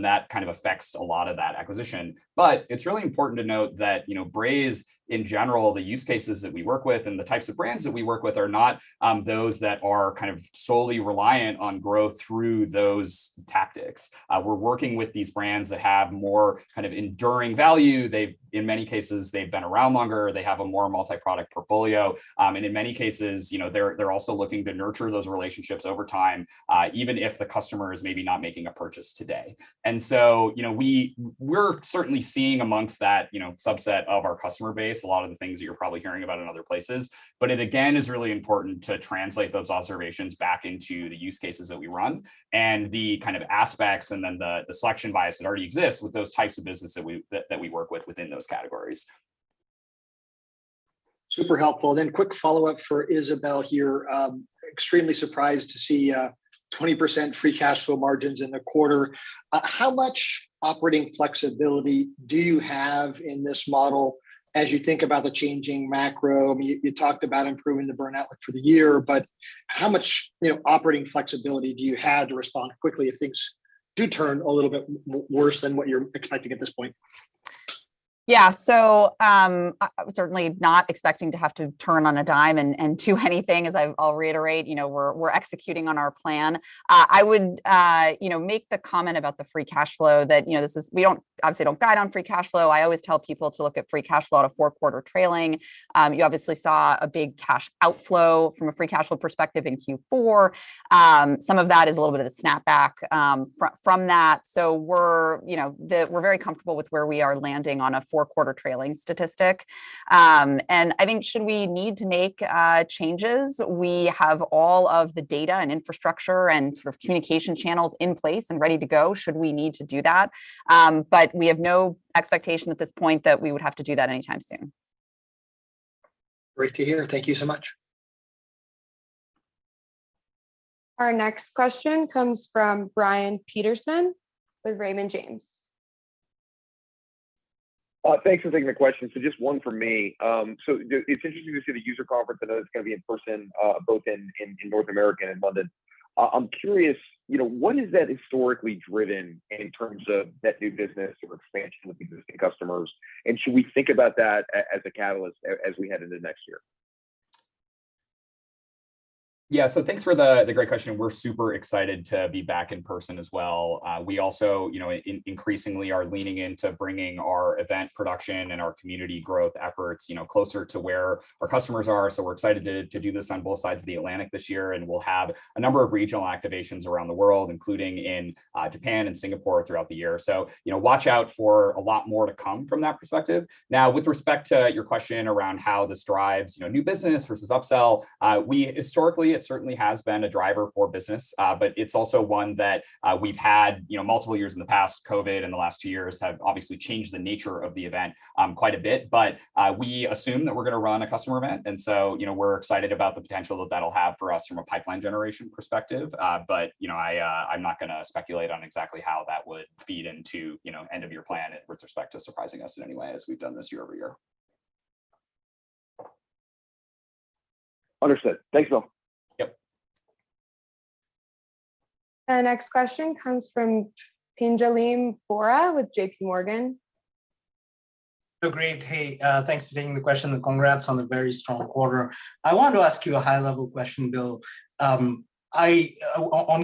That kind of affects a lot of that acquisition. It's really important to note that, you know, Braze in general, the use cases that we work with and the types of brands that we work with are not, those that are kind of solely reliant on growth through those tactics. We're working with these brands that have more kind of enduring value. In many cases, they've been around longer. They have a more multi-product portfolio. In many cases, you know, they're also looking to nurture those relationships over time, even if the customer is maybe not making a purchase today. You know, we're certainly seeing among that, you know, subset of our customer base, a lot of the things that you're probably hearing about in other places. It again is really important to translate those observations back into the use cases that we run and the kind of aspects and then the selection bias that already exists with those types of business that we work with within those categories. Super helpful. Quick follow-up for Isabelle here. Extremely surprised to see 20% free cash flow margins in the quarter. How much operating flexibility do you have in this model as you think about the changing macro? I mean, you talked about improving the burn outlook for the year, but how much, you know, operating flexibility do you have to respond quickly if things do turn a little bit worse than what you're expecting at this point? Yeah. Certainly not expecting to have to turn on a dime and do anything. I'll reiterate, you know, we're executing on our plan. I would, you know, make the comment about the free cash flow that we obviously don't guide on free cash flow. I always tell people to look at free cash flow at a four-quarter trailing. You obviously saw a big cash outflow from a free cash flow perspective in Q4. Some of that is a little bit of the snapback from that. We're, you know, very comfortable with where we are landing on a four-quarter trailing statistic. I think, should we need to make changes, we have all of the data and infrastructure and sort of communication channels in place and ready to go should we need to do that. We have no expectation at this point that we would have to do that anytime soon. Great to hear. Thank you so much. Our next question comes from Brian Peterson with Raymond James. Thanks for taking the question. Just one for me. It's interesting to see the user conference. I know it's gonna be in person, both in North America and London. I'm curious, you know, what is that historically driven in terms of net new business or expansion with existing customers? Should we think about that as a catalyst as we head into next year? Yeah. Thanks for the great question. We're super excited to be back in person as well. We also, you know, increasingly are leaning into bringing our event production and our community growth efforts, you know, closer to where our customers are. We're excited to do this on both sides of the Atlantic this year, and we'll have a number of regional activations around the world, including in Japan and Singapore throughout the year. You know, watch out for a lot more to come from that perspective. Now, with respect to your question around how this drives, you know, new business versus upsell, we historically it certainly has been a driver for business, but it's also one that we've had, you know, multiple years in the past. COVID in the last two years have obviously changed the nature of the event, quite a bit. We assume that we're gonna run a customer event, and so, you know, we're excited about the potential that that'll have for us from a pipeline generation perspective. You know, I'm not gonna speculate on exactly how that would feed into, you know, end of year plan with respect to surprising us in any way as we've done this year over year. Understood. Thanks, Bill. Yep. The next question comes from Pinjalim Bora with JP Morgan. Great. Hey, thanks for taking the question and congrats on the very strong quarter. I wanted to ask you a high level question, Bill, on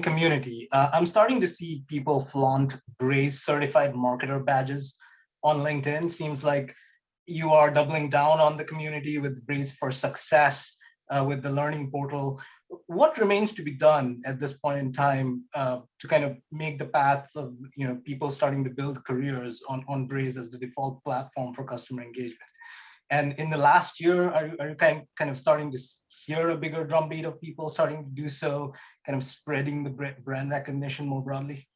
community. I'm starting to see people flaunt Braze certified marketer badges on LinkedIn. Seems like you are doubling down on the community with Braze for Success with the learning portal. What remains to be done at this point in time to kind of make the path of, you know, people starting to build careers on Braze as the default platform for customer engagement? In the last year, are you kind of starting to hear a bigger drumbeat of people starting to do so, kind of spreading the brand recognition more broadly?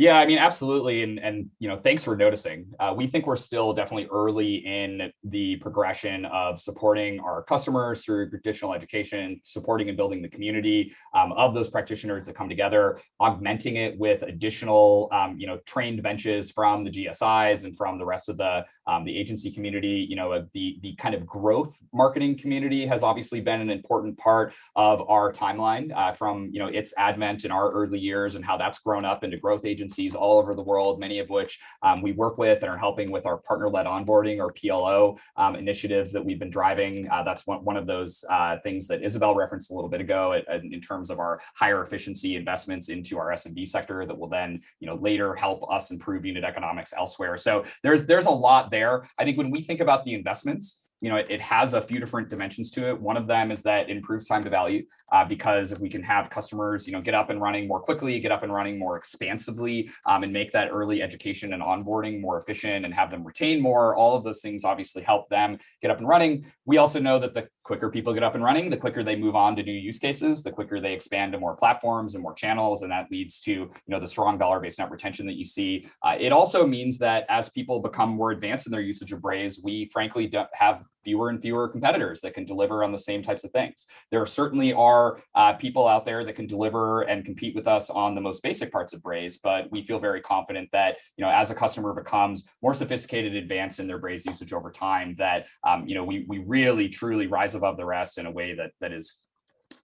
Yeah, I mean, absolutely. You know, thanks for noticing. We think we're still definitely early in the progression of supporting our customers through traditional education, supporting and building the community of those practitioners that come together, augmenting it with additional, you know, trained benches from the GSIs and from the rest of the agency community. You know, the kind of growth marketing community has obviously been an important part of our timeline from, you know, its advent in our early years and how that's grown up into growth agencies all over the world, many of which we work with and are helping with our partner-led onboarding or PLO initiatives that we've been driving. That's one of those things that Isabelle referenced a little bit ago in terms of our higher efficiency investments into our S&M sector that will then, you know, later help us improve unit economics elsewhere. There's a lot there. I think when we think about the investments, you know, it has a few different dimensions to it. One of them is that improves time to value, because if we can have customers, you know, get up and running more quickly, get up and running more expansively, and make that early education and onboarding more efficient and have them retain more, all of those things obviously help them get up and running. We also know that the quicker people get up and running, the quicker they move on to new use cases, the quicker they expand to more platforms and more channels, and that leads to, you know, the strong dollar-based net retention that you see. It also means that as people become more advanced in their usage of Braze, we frankly have fewer and fewer competitors that can deliver on the same types of things. There certainly are people out there that can deliver and compete with us on the most basic parts of Braze, but we feel very confident that, you know, as a customer becomes more sophisticated, advanced in their Braze usage over time, that, you know, we really truly rise above the rest in a way that is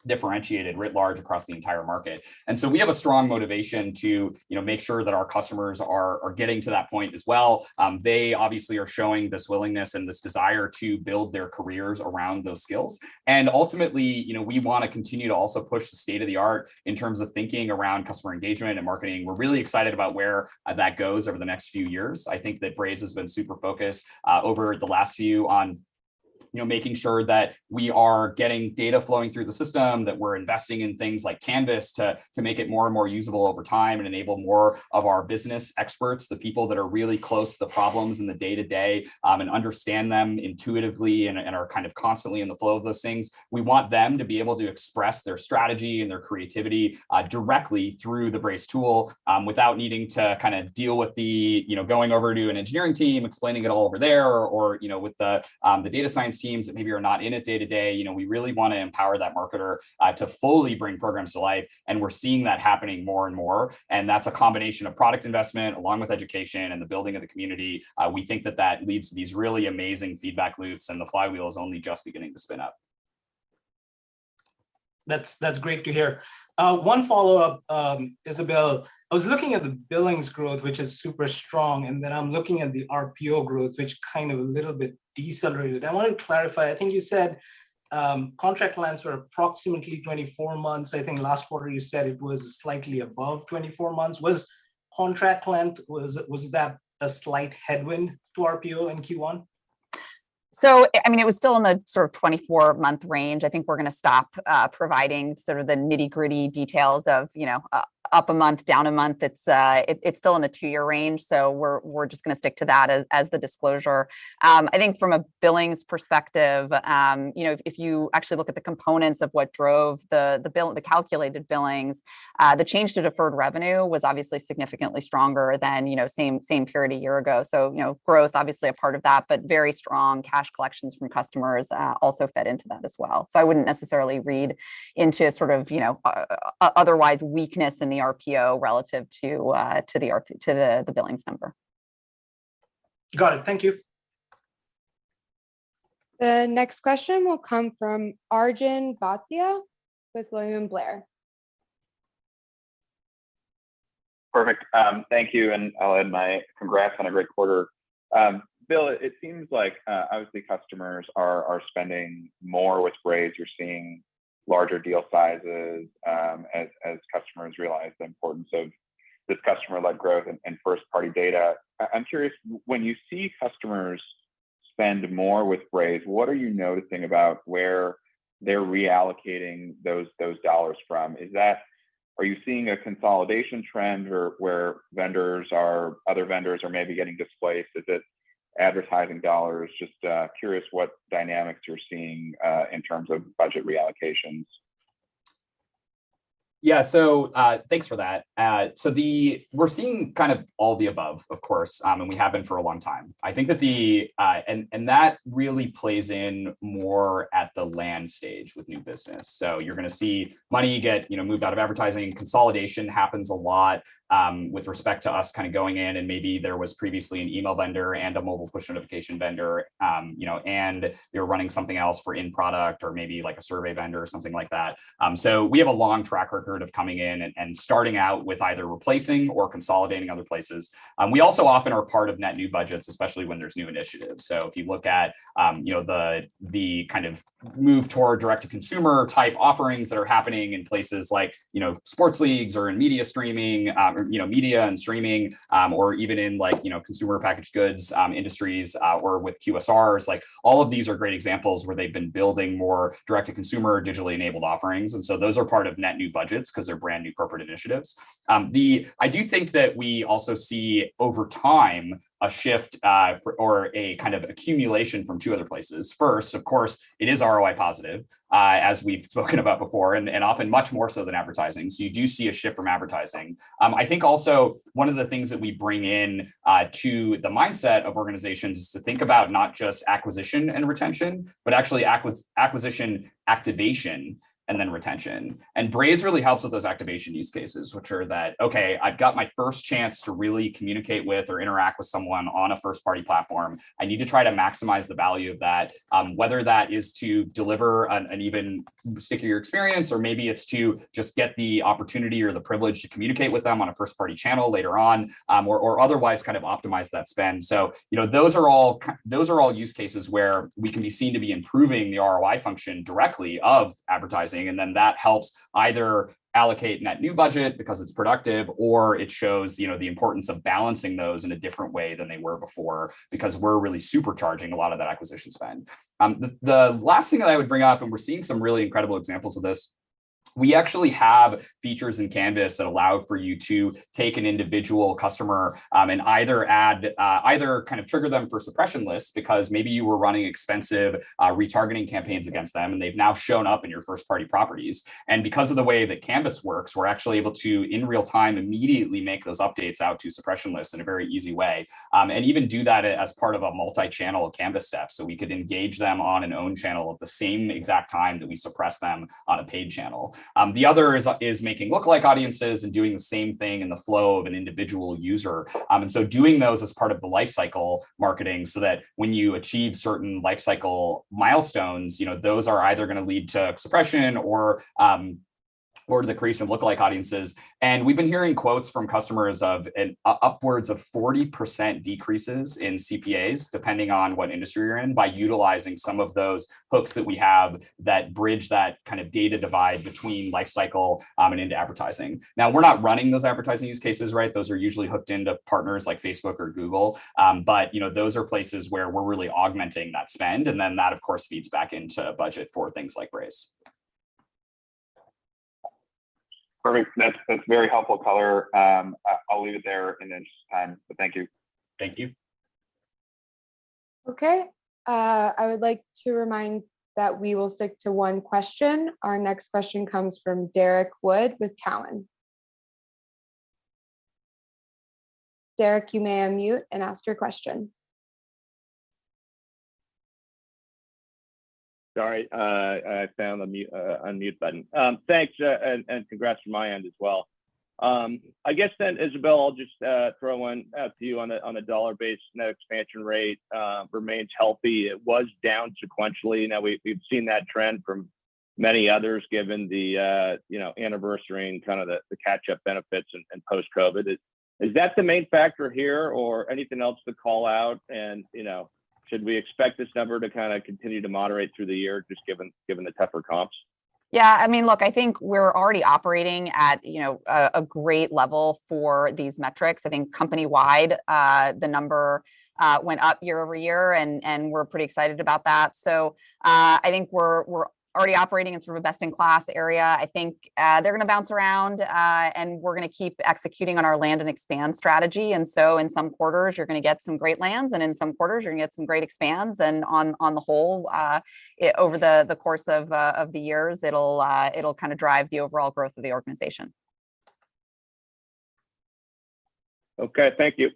differentiated writ large across the entire market. We have a strong motivation to, you know, make sure that our customers are getting to that point as well. They obviously are showing this willingness and this desire to build their careers around those skills. Ultimately, you know, we wanna continue to also push the state-of-the-art in terms of thinking around customer engagement and marketing. We're really excited about where that goes over the next few years. I think that Braze has been super focused over the last few on, you know, making sure that we are getting data flowing through the system, that we're investing in things like Canvas to make it more and more usable over time and enable more of our business experts, the people that are really close to the problems in the day-to-day, and understand them intuitively and are kind of constantly in the flow of those things. We want them to be able to express their strategy and their creativity directly through the Braze tool without needing to kind of deal with the, you know, going over to an engineering team, explaining it all over there or, you know, with the data science teams that maybe are not in it day-to-day. You know, we really wanna empower that marketer to fully bring programs to life, and we're seeing that happening more and more. That's a combination of product investment along with education and the building of the community. We think that leads to these really amazing feedback loops, and the flywheel is only just beginning to spin up. That's great to hear. One follow-up, Isabelle. I was looking at the billings growth, which is super strong, and then I'm looking at the RPO growth, which kind of a little bit decelerated. I want to clarify. I think you said, contract lengths were approximately 24 months. I think last quarter you said it was slightly above 24 months. Was contract length that a slight headwind to RPO in Q1? I mean, it was still in the sort of 24-month range. I think we're gonna stop providing sort of the nitty-gritty details of, you know, up a month, down a month. It's still in the 2-year range, so we're just gonna stick to that as the disclosure. I think from a billings perspective, you know, if you actually look at the components of what drove the calculated billings, the change to deferred revenue was obviously significantly stronger than, you know, same period a year ago. You know, growth obviously a part of that, but very strong cash collections from customers also fed into that as well. I wouldn't necessarily read into sort of, you know, otherwise weakness in the RPO relative to the billings number. Got it. Thank you. The next question will come from Arjun Bhatia with William Blair. Perfect. Thank you, and I'll add my congrats on a great quarter. Bill, it seems like obviously customers are spending more with Braze. You're seeing larger deal sizes, as customers realize the importance of this customer-led growth and first-party data. I'm curious, when you see customers spend more with Braze, what are you noticing about where they're reallocating those dollars from? Are you seeing a consolidation trend or where other vendors are maybe getting displaced? Is it advertising dollars? Just curious what dynamics you're seeing in terms of budget reallocations. Yeah. Thanks for that. We're seeing kind of all the above, of course, and we have been for a long time. I think that and that really plays in more at the land stage with new business. You're gonna see money get, you know, moved out of advertising. Consolidation happens a lot, with respect to us kind of going in, and maybe there was previously an email vendor and a mobile push notification vendor, you know, and they were running something else for in product or maybe like a survey vendor or something like that. We have a long track record of coming in and starting out with either replacing or consolidating other places. We also often are part of net new budgets, especially when there's new initiatives. If you look at, you know, the kind of move toward direct-to-consumer type offerings that are happening in places like, you know, sports leagues or in media streaming, you know, media and streaming, or even in like, you know, consumer packaged goods, industries, or with QSRs, like all of these are great examples where they've been building more direct-to-consumer digitally enabled offerings. Those are part of net new budgets because they're brand new corporate initiatives. I do think that we also see over time a shift or a kind of accumulation from two other places. First, of course, it is ROI positive, as we've spoken about before, and often much more so than advertising. You do see a shift from advertising. I think also one of the things that we bring in to the mindset of organizations is to think about not just acquisition and retention, but actually acquisition activation and then retention. Braze really helps with those activation use cases, which are that, okay, I've got my first chance to really communicate with or interact with someone on a first-party platform. I need to try to maximize the value of that, whether that is to deliver an even stickier experience or maybe it's to just get the opportunity or the privilege to communicate with them on a first-party channel later on, or otherwise kind of optimize that spend. You know, those are all use cases where we can be seen to be improving the ROI function directly of advertising and then that helps either allocate net new budget because it's productive, or it shows, you know, the importance of balancing those in a different way than they were before, because we're really supercharging a lot of that acquisition spend. The last thing that I would bring up, and we're seeing some really incredible examples of this, we actually have features in Canvas that allow for you to take an individual customer, and either kind of trigger them for suppression lists because maybe you were running expensive retargeting campaigns against them and they've now shown up in your first-party properties. Because of the way that Canvas works, we're actually able to, in real time, immediately make those updates out to suppression lists in a very easy way. Even do that as part of a multi-channel Canvas step, so we could engage them on an owned channel at the same exact time that we suppress them on a paid channel. The other is making lookalike audiences and doing the same thing in the flow of an individual user. Doing those as part of the lifecycle marketing so that when you achieve certain lifecycle milestones, you know, those are either gonna lead to suppression or the creation of lookalike audiences. We've been hearing quotes from customers of upwards of 40% decreases in CPAs, depending on what industry you're in, by utilizing some of those hooks that we have that bridge that kind of data divide between lifecycle and into advertising. Now, we're not running those advertising use cases, right? Those are usually hooked into partners like Facebook or Google. You know, those are places where we're really augmenting that spend and then that of course feeds back into budget for things like Braze. Perfect. That's very helpful color. I'll leave it there in the interest of time, but thank you. Thank you. Okay. I would like to remind that we will stick to one question. Our next question comes from Derrick Wood with Cowen. Derek, you may unmute and ask your question. Sorry, I found the mute unmute button. Thanks and congrats from my end as well. I guess, Isabelle, I'll just throw one to you on a dollar-based net expansion rate remains healthy. It was down sequentially. Now we've seen that trend from many others given the you know, anniversary and kind of the catch-up benefits and post-COVID. Is that the main factor here or anything else to call out? You know, should we expect this number to kind of continue to moderate through the year just given the tougher comps? Yeah, I mean, look, I think we're already operating at, you know, a great level for these metrics. I think company-wide, the number went up year-over-year and we're pretty excited about that. I think we're already operating in sort of a best-in-class area. I think, they're gonna bounce around, and we're gonna keep executing on our land and expand strategy. In some quarters, you're gonna get some great lands, and in some quarters you're gonna get some great expands. On the whole, over the course of the years, it'll kinda drive the overall growth of the organization. Okay. Thank you.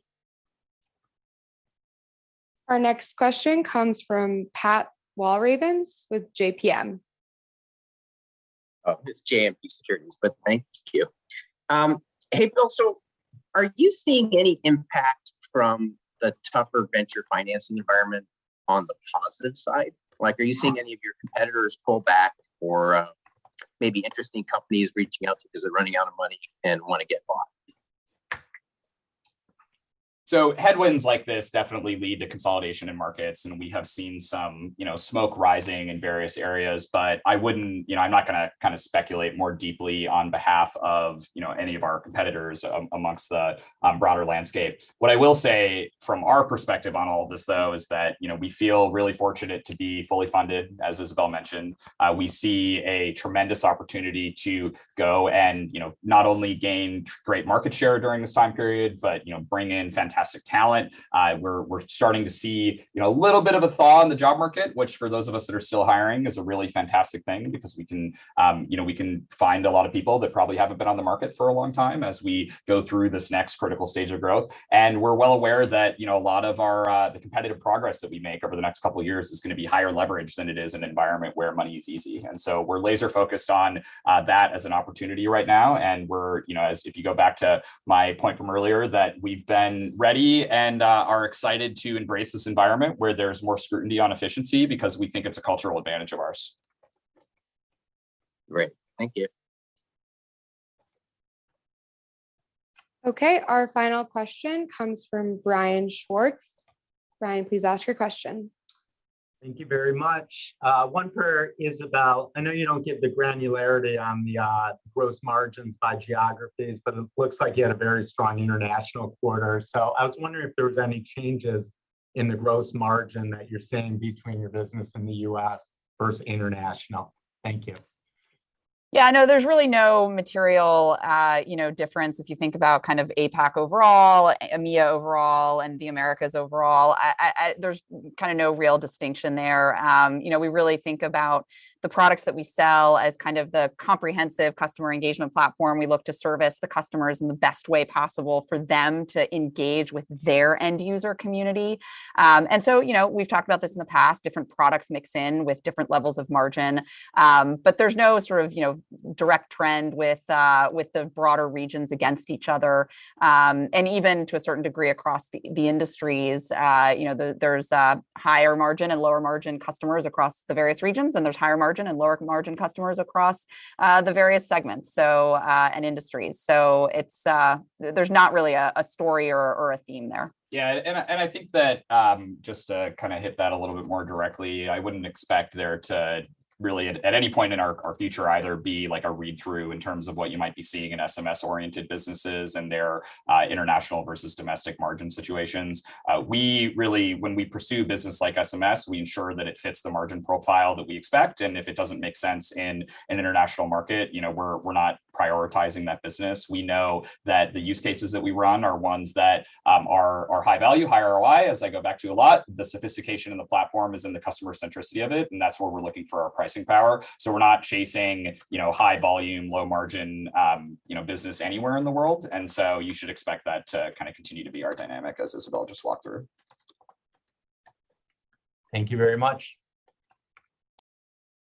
Our next question comes from Patrick Walravens with JPM. It's JMP Securities, but thank you. Hey, Bill. Are you seeing any impact from the tougher venture financing environment on the positive side? Like, are you seeing any of your competitors pull back or, maybe interesting companies reaching out to you because they're running out of money and wanna get bought? Headwinds like this definitely lead to consolidation in markets, and we have seen some, you know, smoke rising in various areas. I wouldn't, you know, I'm not gonna kinda speculate more deeply on behalf of, you know, any of our competitors amongst the broader landscape. What I will say from our perspective on all of this, though, is that, you know, we feel really fortunate to be fully funded, as Isabelle mentioned. We see a tremendous opportunity to go and, you know, not only gain great market share during this time period but, you know, bring in fantastic talent. We're starting to see, you know, a little bit of a thaw in the job market, which for those of us that are still hiring is a really fantastic thing because we can, you know, we can find a lot of people that probably haven't been on the market for a long time as we go through this next critical stage of growth. We're well aware that, you know, a lot of our, the competitive progress that we make over the next couple years is gonna be higher leverage than it is in an environment where money is easy. We're laser focused on that as an opportunity right now, and we're, you know, as if you go back to my point from earlier, that we've been ready and are excited to embrace this environment where there's more scrutiny on efficiency because we think it's a cultural advantage of ours. Great. Thank you. Okay, our final question comes from Brian Schwartz. Brian, please ask your question. Thank you very much. One for Isabelle. I know you don't give the granularity on the gross margins by geographies, but it looks like you had a very strong international quarter. I was wondering if there was any changes in the gross margin that you're seeing between your business in the U.S. versus international. Thank you. Yeah, no, there's really no material, you know, difference if you think about kind of APAC overall, EMEA overall, and the Americas overall. There's kinda no real distinction there. You know, we really think about the products that we sell as kind of the comprehensive customer engagement platform. We look to service the customers in the best way possible for them to engage with their end user community. You know, we've talked about this in the past, different products mix in with different levels of margin. But there's no sort of, you know, direct trend with the broader regions against each other. Even to a certain degree across the industries. You know, there's higher margin and lower margin customers across the various regions, and there's higher margin and lower margin customers across the various segments and industries. There's not really a story or a theme there. Yeah. I think that just to kinda hit that a little bit more directly, I wouldn't expect there to really at any point in our future either be like a read-through in terms of what you might be seeing in SMS-oriented businesses and their international versus domestic margin situations. When we pursue business like SMS, we ensure that it fits the margin profile that we expect, and if it doesn't make sense in an international market, you know, we're not prioritizing that business. We know that the use cases that we run are ones that are high value, high ROI as I go back to a lot. The sophistication in the platform is in the customer centricity of it, and that's where we're looking for our pricing power. We're not chasing, you know, high volume, low margin, you know, business anywhere in the world. You should expect that to kinda continue to be our dynamic as Isabel just walked through. Thank you very much.